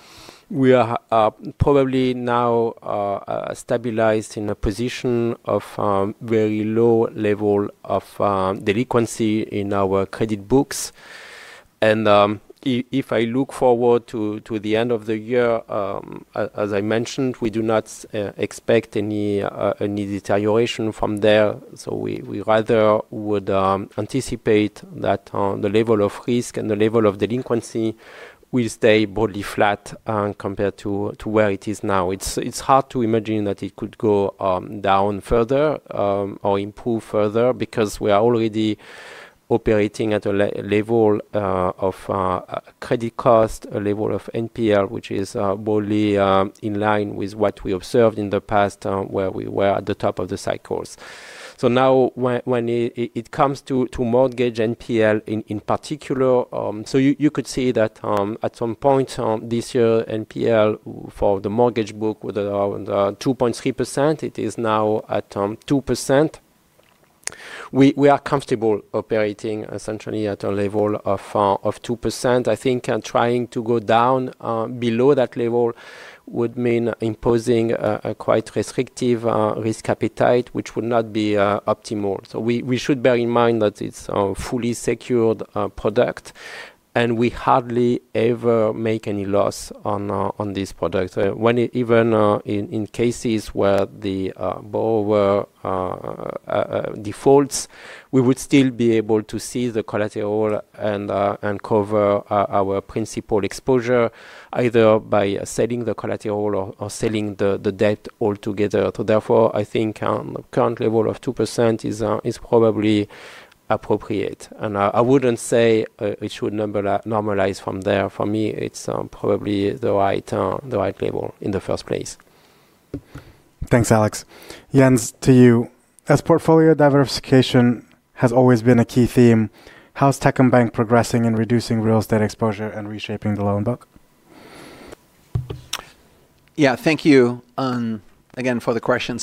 we are probably now stabilized in a position of a very low level of delinquency in our credit books. If I look forward to the end of the year, as I mentioned, we do not expect any deterioration from there. We rather would anticipate that the level of risk and the level of delinquency will stay broadly flat compared to where it is now. It's hard to imagine that it could go down further or improve further because we are already operating at a level of credit cost, a level of NPL, which is broadly in line with what we observed in the past where we were at the top of the cycles. Now when it comes to mortgage NPL in particular, you could see that at some point this year NPL for the mortgage book was around 2.3%. It is now at 2%. We are comfortable operating essentially at a level of 2%. I think trying to go down below that level would mean imposing a quite restrictive risk appetite, which would not be optimal. We should bear in mind that it's a fully secured product and we hardly ever make any loss on this product. Even in cases where the borrower defaults, we would still be able to seize the collateral and cover our principal exposure either by selling the collateral or selling the debt altogether. Therefore, I think the current level of 2% is probably appropriate. I wouldn't say it should normalize from there. For me, it's probably the right level in the first place. Thanks, Alex. Jens, to you. As portfolio diversification has always been a key theme, how is Techcombank progressing in reducing real estate exposure and reshaping the loan book? Yeah, thank you again for the question.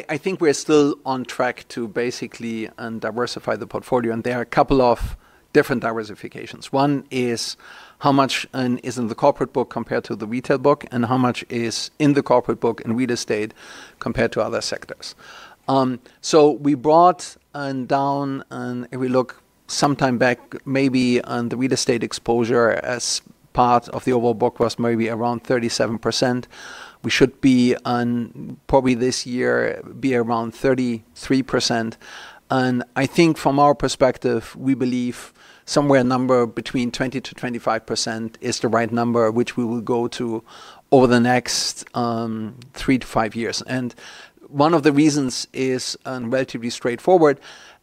I think we're still on track to basically diversify the portfolio. There are a couple of different diversifications. One is how much is in the corporate book compared to the retail book and how much is in the corporate book and real estate compared to other sectors. We brought down, and we look sometime back, maybe the real estate exposure as part of the overall book was maybe around 37%. We should be probably this year around 33%. I think from our perspective, we believe somewhere a number between 20%-25% is the right number, which we will go to over the next three to five years. One of the reasons is relatively straightforward.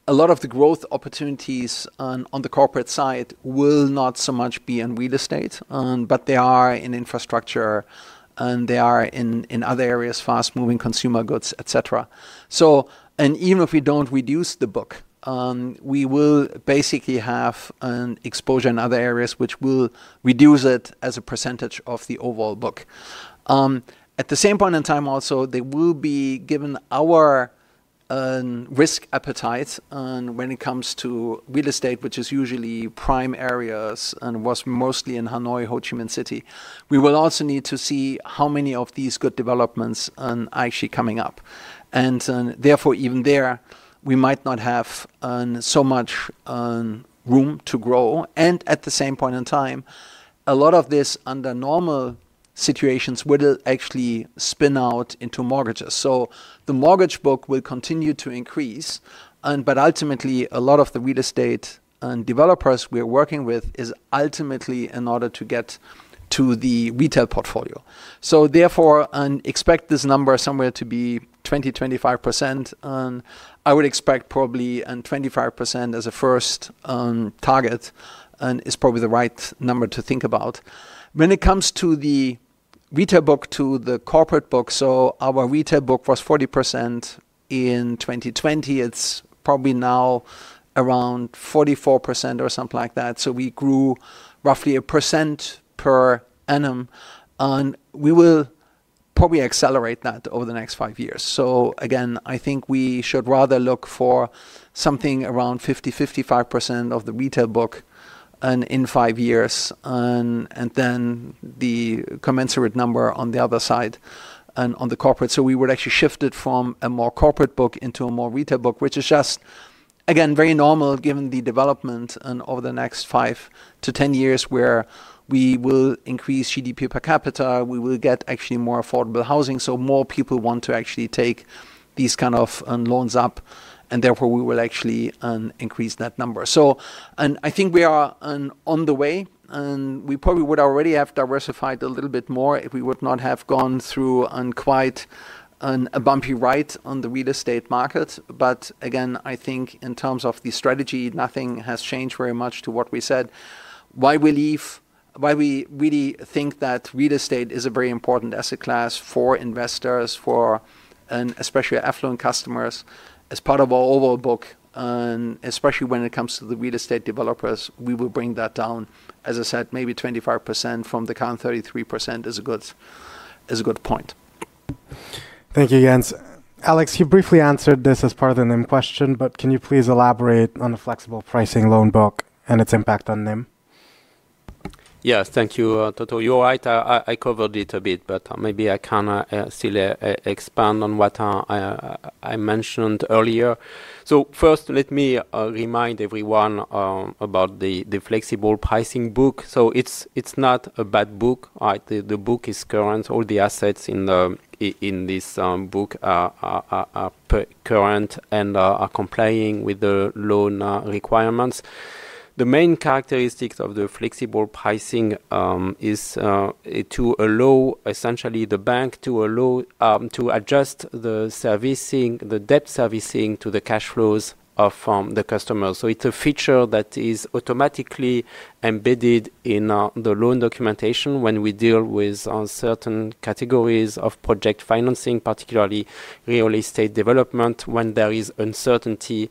A lot of the growth opportunities on the corporate side will not so much be in real estate, but they are in infrastructure and they are in other areas, fast-moving consumer goods, etc. Even if we don't reduce the book, we will basically have an exposure in other areas, which will reduce it as a percentage of the overall book. At the same point in time, also, there will be, given our risk appetite when it comes to real estate, which is usually prime areas and was mostly in Hanoi, Ho Chi Minh City, we will also need to see how many of these good developments are actually coming up. Therefore, even there, we might not have so much room to grow. At the same point in time, a lot of this under normal situations will actually spin out into mortgages. The mortgage book will continue to increase, but ultimately, a lot of the real estate developers we're working with is ultimately in order to get to the retail portfolio. Therefore, expect this number somewhere to be 20%-25%. I would expect probably 25% as a first target and is probably the right number to think about. When it comes to the retail book to the corporate book, our retail book was 40% in 2020. It's probably now around 44% or something like that. We grew roughly a percent per annum. We will probably accelerate that over the next five years. I think we should rather look for something around 50%-55% of the retail book in five years. Then the commensurate number on the other side and on the corporate. We would actually shift it from a more corporate book into a more retail book, which is just again very normal given the development over the next five to ten years where we will increase GDP per capita. We will get actually more affordable housing. More people want to actually take these kind of loans up, and therefore, we will actually increase that number. I think we are on the way, and we probably would already have diversified a little bit more if we would not have gone through quite a bumpy ride on the real estate market. Again, I think in terms of the strategy, nothing has changed very much to what we said. We really think that real estate is a very important asset class for investors, for especially affluent customers as part of our overall book, and especially when it comes to the real estate developers, we will bring that down. As I said, maybe 25% from the current 33% is a good point. Thank you, Jens. Alex, you briefly answered this as part of the NIM question, but can you please elaborate on the flexible pricing loan book and its impact on NIM? Yes, thank you. Total, you're right. I covered it a bit, but maybe I can still expand on what I mentioned earlier. First, let me remind everyone about the flexible pricing book. It's not a bad book. The book is current. All the assets in this book are current and are complying with the loan requirements. The main characteristic of the flexible pricing is to allow, essentially, the bank to adjust the debt servicing to the cash flows from the customer. It's a feature that is automatically embedded in the loan documentation when we deal with certain categories of project financing, particularly real estate development, when there is uncertainty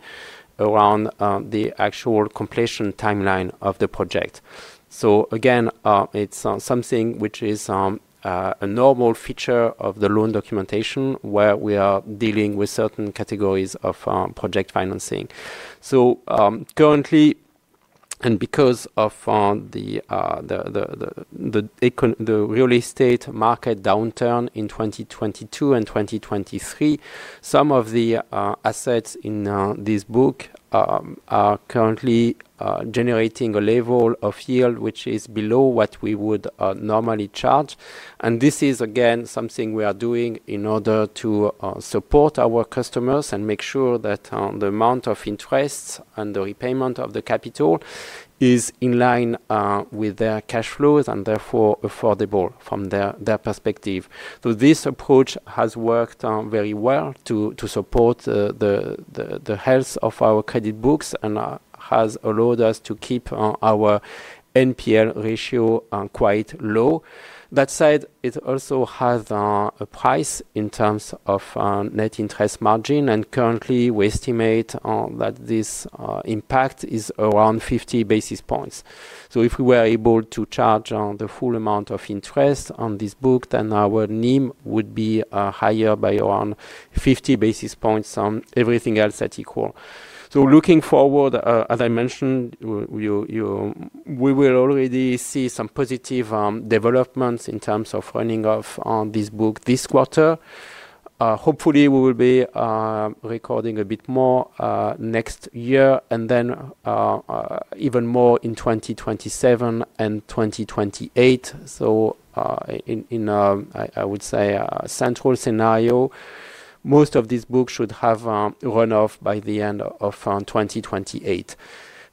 around the actual completion timeline of the project. It's something which is a normal feature of the loan documentation where we are dealing with certain categories of project financing. Currently, and because of the real estate market downturn in 2022 and 2023, some of the assets in this book are currently generating a level of yield which is below what we would normally charge. This is again something we are doing in order to support our customers and make sure that the amount of interest and the repayment of the capital is in line with their cash flows and therefore affordable from their perspective. This approach has worked very well to support the health of our credit books and has allowed us to keep our NPL ratio quite low. That said, it also has a price in terms of net interest margin, and currently we estimate that this impact is around 50 basis points. If we were able to charge the full amount of interest on this book, then our NIM would be higher by around 50 basis points on everything else at equal. Looking forward, as I mentioned, we will already see some positive developments in terms of running off this book this quarter. Hopefully, we will be recording a bit more next year and then even more in 2027 and 2028. In, I would say, a central scenario, most of this book should have run off by the end of 2028.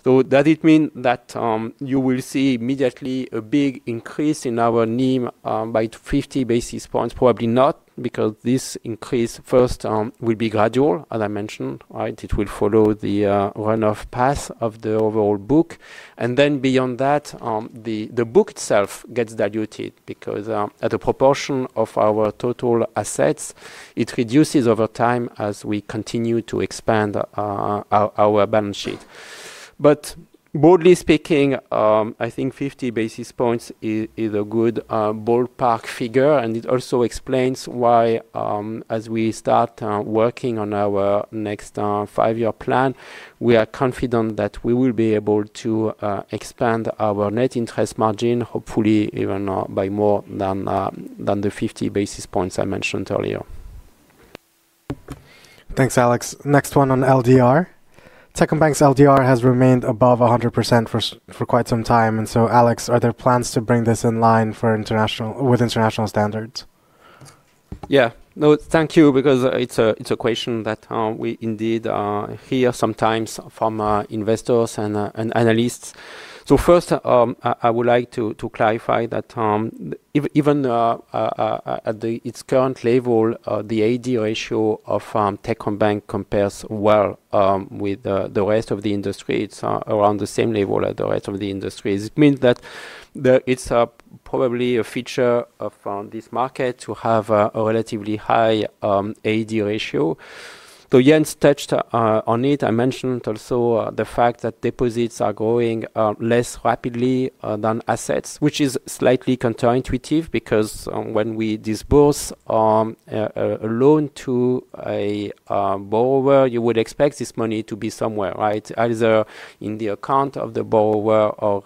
Does it mean that you will see immediately a big increase in our NIM by 50 basis points? Probably not, because this increase first will be gradual, as I mentioned. It will follow the run-off path of the overall book. Beyond that, the book itself gets diluted because at a proportion of our total assets, it reduces over time as we continue to expand our balance sheet. Broadly speaking, I think 50 basis points is a good ballpark figure, and it also explains why, as we start working on our next five-year plan, we are confident that we will be able to expand our net interest margin, hopefully even by more than the 50 basis points I mentioned earlier. Thanks, Alex. Next one on LDR. Techcombank's LDR has remained above 100% for quite some time. Alex, are there plans to bring this in line with international standards? Yeah, no, thank you, because it's a question that we indeed hear sometimes from investors and analysts. First, I would like to clarify that even at its current level, the AD ratio of Techcombank compares well with the rest of the industry. It's around the same level as the rest of the industry. It means that it's probably a feature of this market to have a relatively high AD ratio. Jens touched on it. I mentioned also the fact that deposits are going. less rapidly than assets, which is slightly counterintuitive because when we disburse a loan to a borrower, you would expect this money to be somewhere, right? Either in the account of the borrower or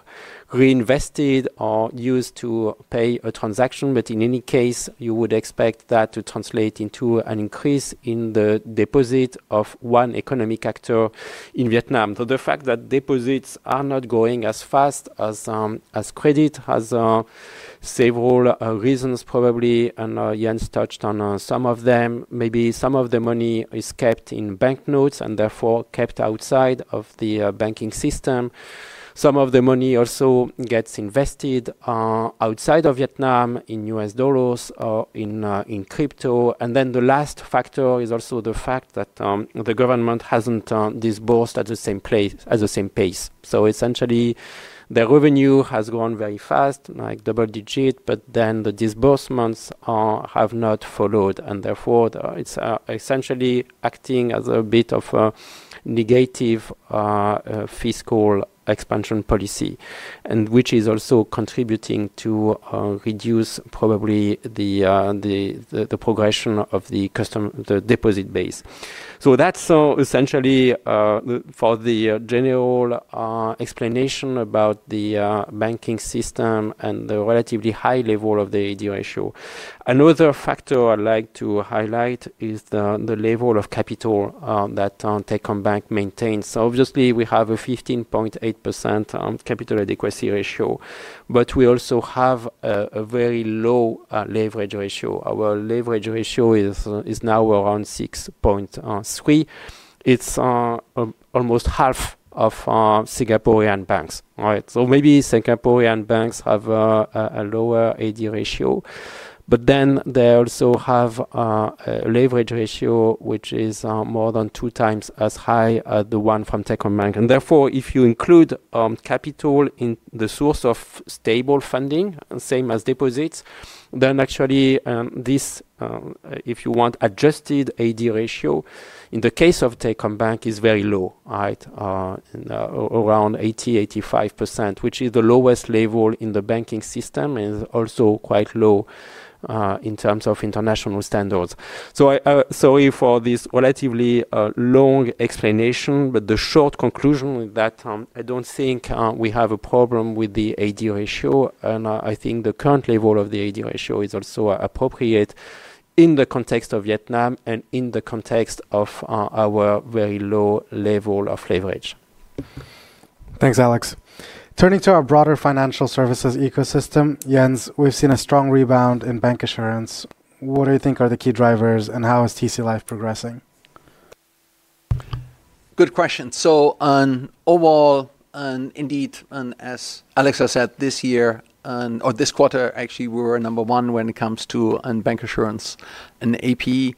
reinvested or used to pay a transaction. In any case, you would expect that to translate into an increase in the deposit of one economic actor in Vietnam. The fact that deposits are not going as fast as credit has several reasons, probably, and Jens touched on some of them. Maybe some of the money is kept in bank notes and therefore kept outside of the banking system. Some of the money also gets invested outside of Vietnam in US dollars or in crypto. The last factor is also the fact that the government hasn't disbursed at the same pace. Essentially, the revenue has grown very fast, like double digit, but the disbursements have not followed. Therefore, it's essentially acting as a bit of a negative fiscal expansion policy, which is also contributing to reduce probably the progression of the deposit base. That's essentially for the general explanation about the banking system and the relatively high level of the AD ratio. Another factor I'd like to highlight is the level of capital that Techcombank maintains. Obviously, we have a 15.8% capital adequacy ratio, but we also have a very low leverage ratio. Our leverage ratio is now around 6.3. It's almost half of Singaporean banks, right? Maybe Singaporean banks have a lower AD ratio, but they also have a leverage ratio which is more than two times as high as the one from Techcombank. Therefore, if you include capital in the source of stable funding, same as deposits, then actually this, if you want, adjusted AD ratio in the case of Techcombank is very low, right? Around 80%, 85%, which is the lowest level in the banking system and is also quite low in terms of international standards. Sorry for this relatively long explanation, but the short conclusion is that I don't think we have a problem with the AD ratio. I think the current level of the AD ratio is also appropriate in the context of Vietnam and in the context of our very low level of leverage. Thanks, Alex. Turning to our broader financial services ecosystem, Jens, we've seen a strong rebound in bancassurance. What do you think are the key drivers, and how is TC Life progressing? Good question. Overall, indeed, as Alex has said, this year, or this quarter, actually, we were number one when it comes to bancassurance and AP.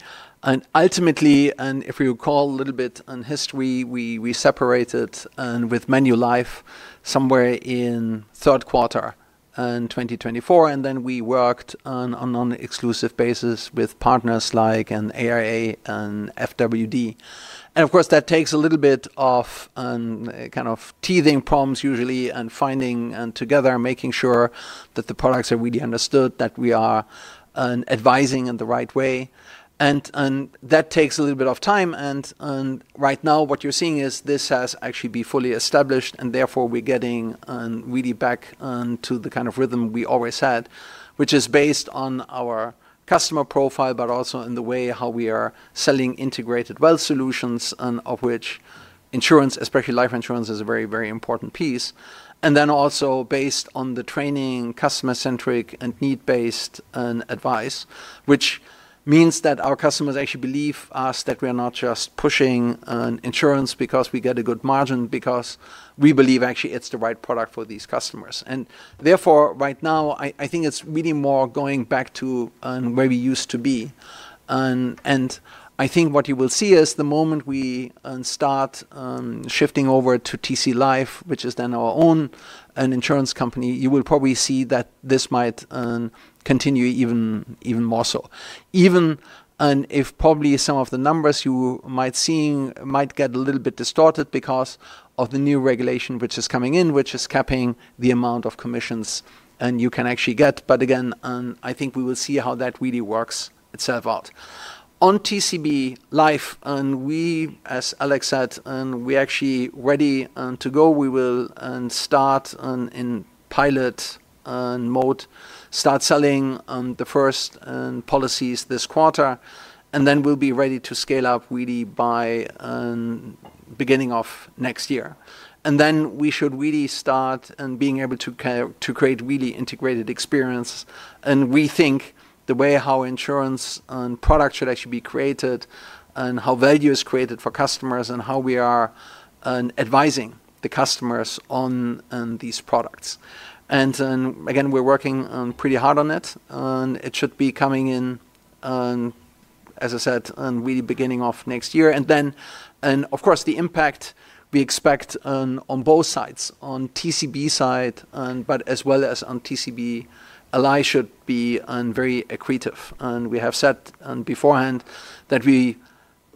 Ultimately, if we recall a little bit on history, we separated with Manulife somewhere in the third quarter in 2024. We worked on an exclusive basis with partners like AIA and FWD. Of course, that takes a little bit of teething problems usually and finding together, making sure that the products are really understood, that we are advising in the right way. That takes a little bit of time. Right now, what you're seeing is this has actually been fully established. Therefore, we're getting really back to the kind of rhythm we always had, which is based on our customer profile, but also in the way we are selling integrated wealth solutions, of which insurance, especially life insurance, is a very, very important piece. Also, based on the training, customer-centric, and need-based advice, our customers actually believe us that we are not just pushing insurance because we get a good margin, but because we believe actually it's the right product for these customers. Therefore, right now, I think it's really more going back to where we used to be. I think what you will see is the moment we start shifting over to TCB Life, which is then our own insurance company, you will probably see that this might continue even more so. Even if probably some of the numbers you might see might get a little bit distorted because of the new regulation which is coming in, which is capping the amount of commissions you can actually get. Again, I think we will see how that really works itself out. On TCB Life, as Alex said, we're actually ready to go. We will start in pilot mode, start selling the first policies this quarter, and then we'll be ready to scale up really by the beginning of next year. We should really start being able to create really integrated experiences. We think the way insurance and products should actually be created and how value is created for customers and how we are advising the customers on these products. Again, we're working pretty hard on it. It should be coming in, as I said, really beginning of next year. Of course, the impact we expect on both sides, on TCB side, but as well as on TCB Life, should be very accretive. We have said beforehand that we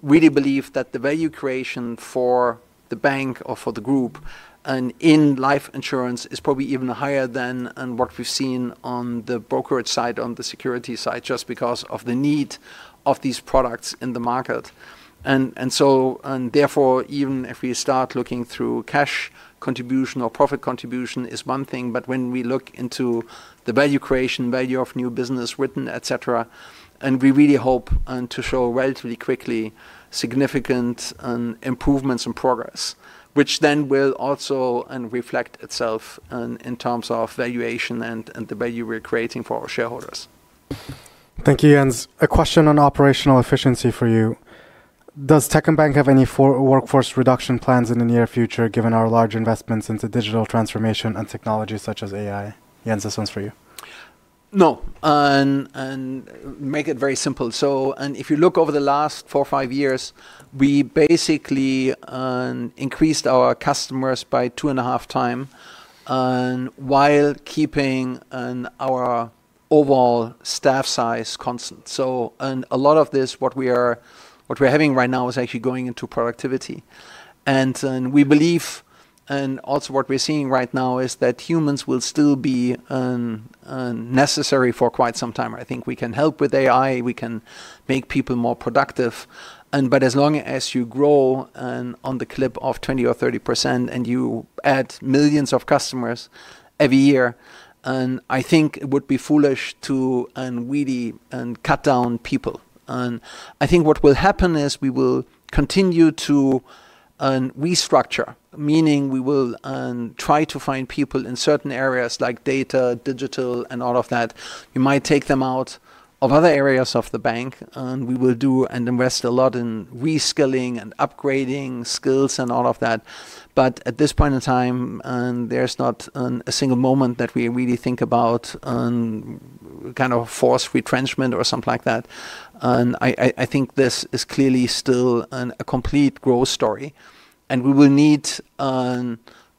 really believe that the value creation for the bank or for the group in life insurance is probably even higher than what we've seen on the brokerage side, on the security side, just because of the need of these products in the market. Therefore, even if we start looking through cash contribution or profit contribution is one thing, but when we look into the value creation, value of new business written, et cetera, we really hope to show relatively quickly significant improvements and progress, which then will also reflect itself in terms of valuation and the value we're creating for our shareholders. Thank you, Jens. A question on operational efficiency for you. Does Techcombank have any workforce reduction plans in the near future, given our large investments into digital transformation and technology such as AI? Jens, this one's for you. No. To make it very simple, if you look over the last four or five years, we basically increased our customers by two and a half times while keeping our overall staff size constant. A lot of this, what we're having right now, is actually going into productivity. We believe, and also what we're seeing right now, is that humans will still be necessary for quite some time. I think we can help with AI. We can make people more productive. As long as you grow at the clip of 20% or 30% and you add millions of customers every year, I think it would be foolish to really cut down people. What will happen is we will continue to restructure, meaning we will try to find people in certain areas like data, digital, and all of that. You might take them out of other areas of the bank. We will do and invest a lot in reskilling and upgrading skills and all of that. At this point in time, there's not a single moment that we really think about kind of forced retrenchment or something like that. This is clearly still a complete growth story. We will need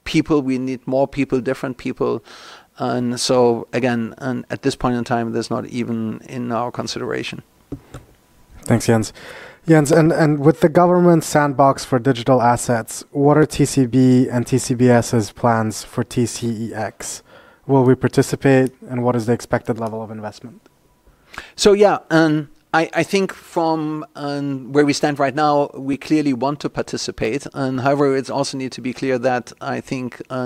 people. We need more people, different people. At this point in time, that's not even in our consideration. Thanks, Jens. With the government sandbox for digital assets, what are Techcombank and TCBS's plans for TCEX? Will we participate? What is the expected level of investment? I think from where we stand right now, we clearly want to participate. However, it also needs to be clear that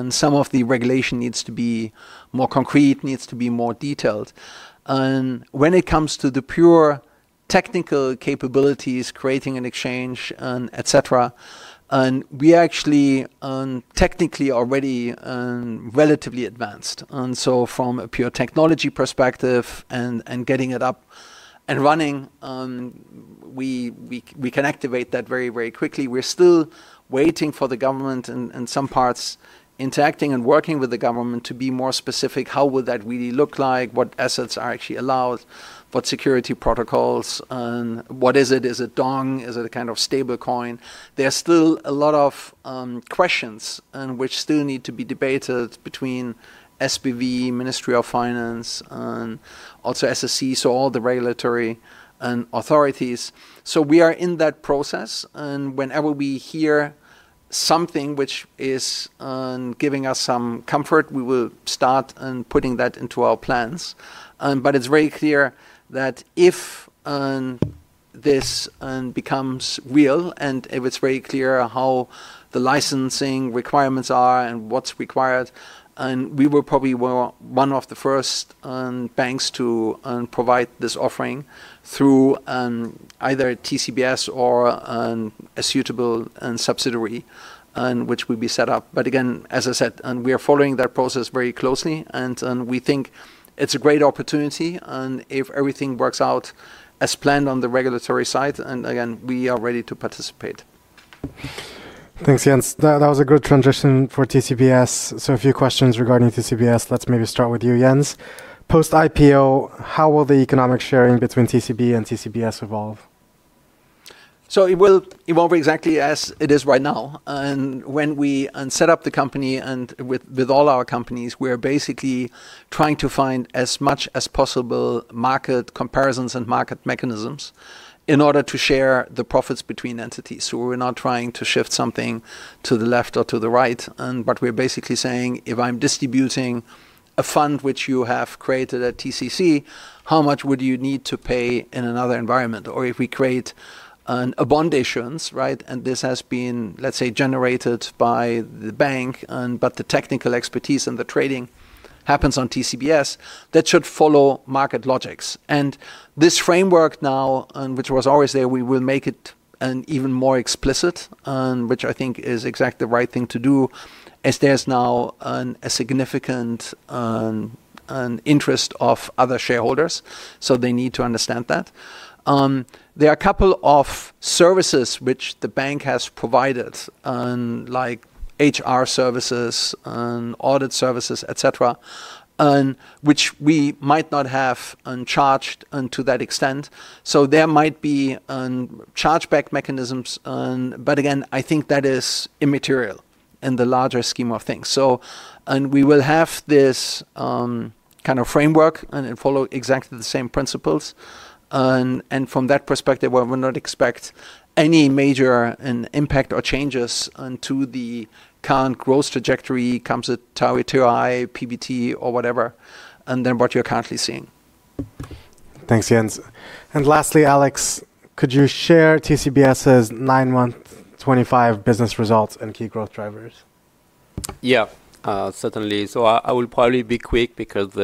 some of the regulation needs to be more concrete, needs to be more detailed. When it comes to the pure technical capabilities, creating an exchange, et cetera, we actually technically are already relatively advanced. From a pure technology perspective and getting it up and running, we can activate that very, very quickly. We're still waiting for the government and some parts interacting and working with the government to be more specific. How will that really look like? What assets are actually allowed? What security protocols? What is it? Is it VND? Is it a kind of stable coin? There are still a lot of questions which still need to be debated between SBV, Ministry of Finance, and also SSC, all the regulatory authorities. We are in that process. Whenever we hear something which is giving us some comfort, we will start putting that into our plans. It's very clear that if this becomes real and if it's very clear how the licensing requirements are and what's required, we will probably be one of the first banks to provide this offering through either TCBS or a suitable subsidiary, which will be set up. Again, as I said, we are following that process very closely. We think it's a great opportunity. If everything works out as planned on the regulatory side, again, we are ready to participate. Thanks, Jens. That was a good transition for TCBS. A few questions regarding TCBS. Let's maybe start with you, Jens. Post IPO, how will the economic sharing between TCB and TCBS evolve? It will evolve exactly as it is right now. When we set up the company and with all our companies, we're basically trying to find as much as possible market comparisons and market mechanisms in order to share the profits between entities. We're not trying to shift something to the left or to the right. We're basically saying, if I'm distributing a fund which you have created at TCBS, how much would you need to pay in another environment? Or if we create an abundance, right? This has been, let's say, generated by the bank, but the technical expertise and the trading happens on TCBS, that should follow market logics. This framework now, which was always there, we will make it even more explicit, which I think is exactly the right thing to do, as there's now a significant interest of other shareholders. They need to understand that. There are a couple of services which the bank has provided, like HR services, audit services, etc., which we might not have charged to that extent. There might be chargeback mechanisms. Again, I think that is immaterial in the larger scheme of things. We will have this kind of framework and follow exactly the same principles. From that perspective, I would not expect any major impact or changes to the current growth trajectory, comes with Thalles Paixao, PBT, or whatever, and then what you're currently seeing. Thanks, Jens. Lastly, Alex, could you share TCBS's nine-month 2025 business results and key growth drivers? Yeah, certainly. I will probably be quick because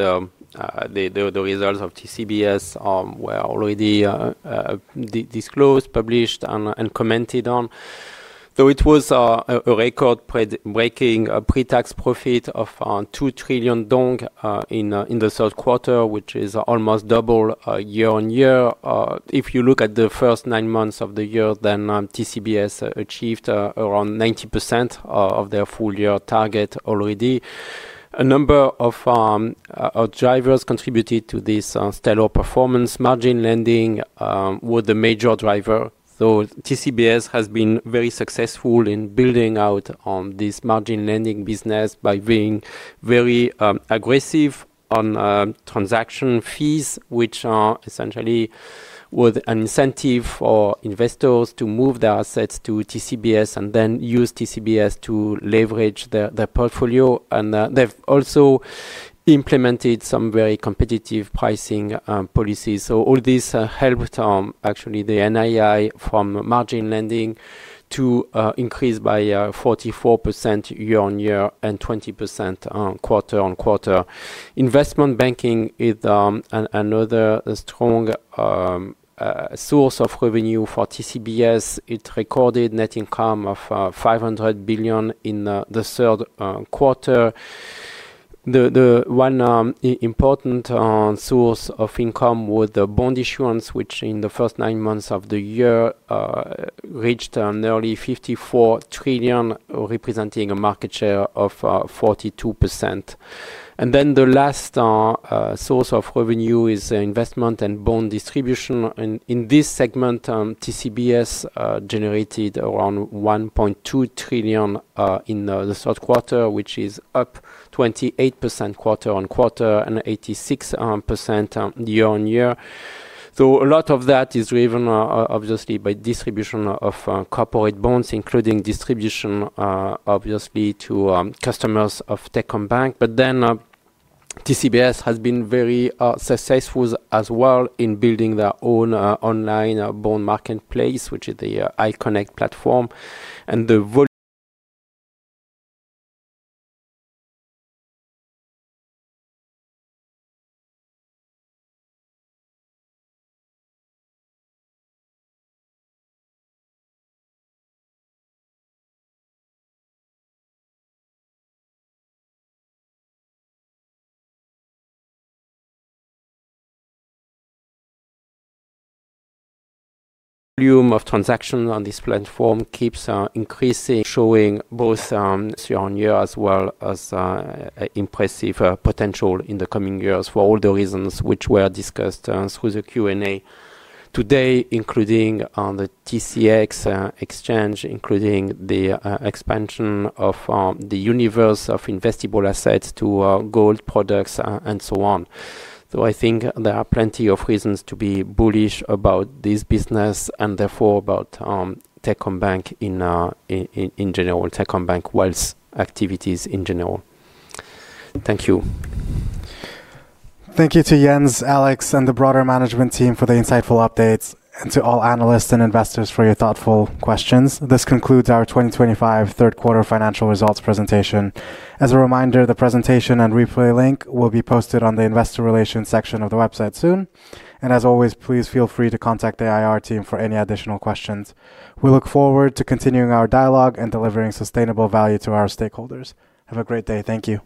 the results of TCBS were already disclosed, published, and commented on. It was a record-breaking pre-tax profit of 2 trillion dong in the third quarter, which is almost double year on year. If you look at the first nine months of the year, then TCBS achieved around 90% of their full-year target already. A number of drivers contributed to this stellar performance. Margin lending was the major driver. TCBS has been very successful in building out this margin lending business by being very aggressive on transaction fees, which are essentially an incentive for investors to move their assets to TCBS and then use TCBS to leverage their portfolio. They've also implemented some very competitive pricing policies. All this helped the NII from margin lending to increase by 44% year on year and 20% quarter on quarter. Investment banking is another strong source of revenue for TCBS. It recorded net income of 500 billion in the third quarter. One important source of income was the bond issuance, which in the first nine months of the year reached nearly 54 trillion, representing a market share of 42%. The last source of revenue is investment and bond distribution. In this segment, TCBS generated around 1.2 trillion in the third quarter, which is up 28% quarter on quarter and 86% year on year. A lot of that is driven obviously by distribution of corporate bonds, including distribution to customers of Techcombank. TCBS has been very successful as well in building their own online bond marketplace, which is the iConnect bond platform. The volume of transactions on this platform keeps increasing, showing both year on year as well as impressive potential in the coming years for all the reasons which were discussed through the Q&A today, including the TCEX exchange, including the expansion of the universe of investable assets to gold products and so on. I think there are plenty of reasons to be bullish about this business and therefore about Techcombank in general, Techcombank Wealth activities in general. Thank you. Thank you to Jens Lottner, Alex Macaire, and the broader management team for the insightful updates, and to all analysts and investors for your thoughtful questions. This concludes our 2025 third quarter financial results presentation. As a reminder, the presentation and replay link will be posted on the investor relations section of the website soon. Please feel free to contact the IR team for any additional questions. We look forward to continuing our dialogue and delivering sustainable value to our stakeholders. Have a great day. Thank you.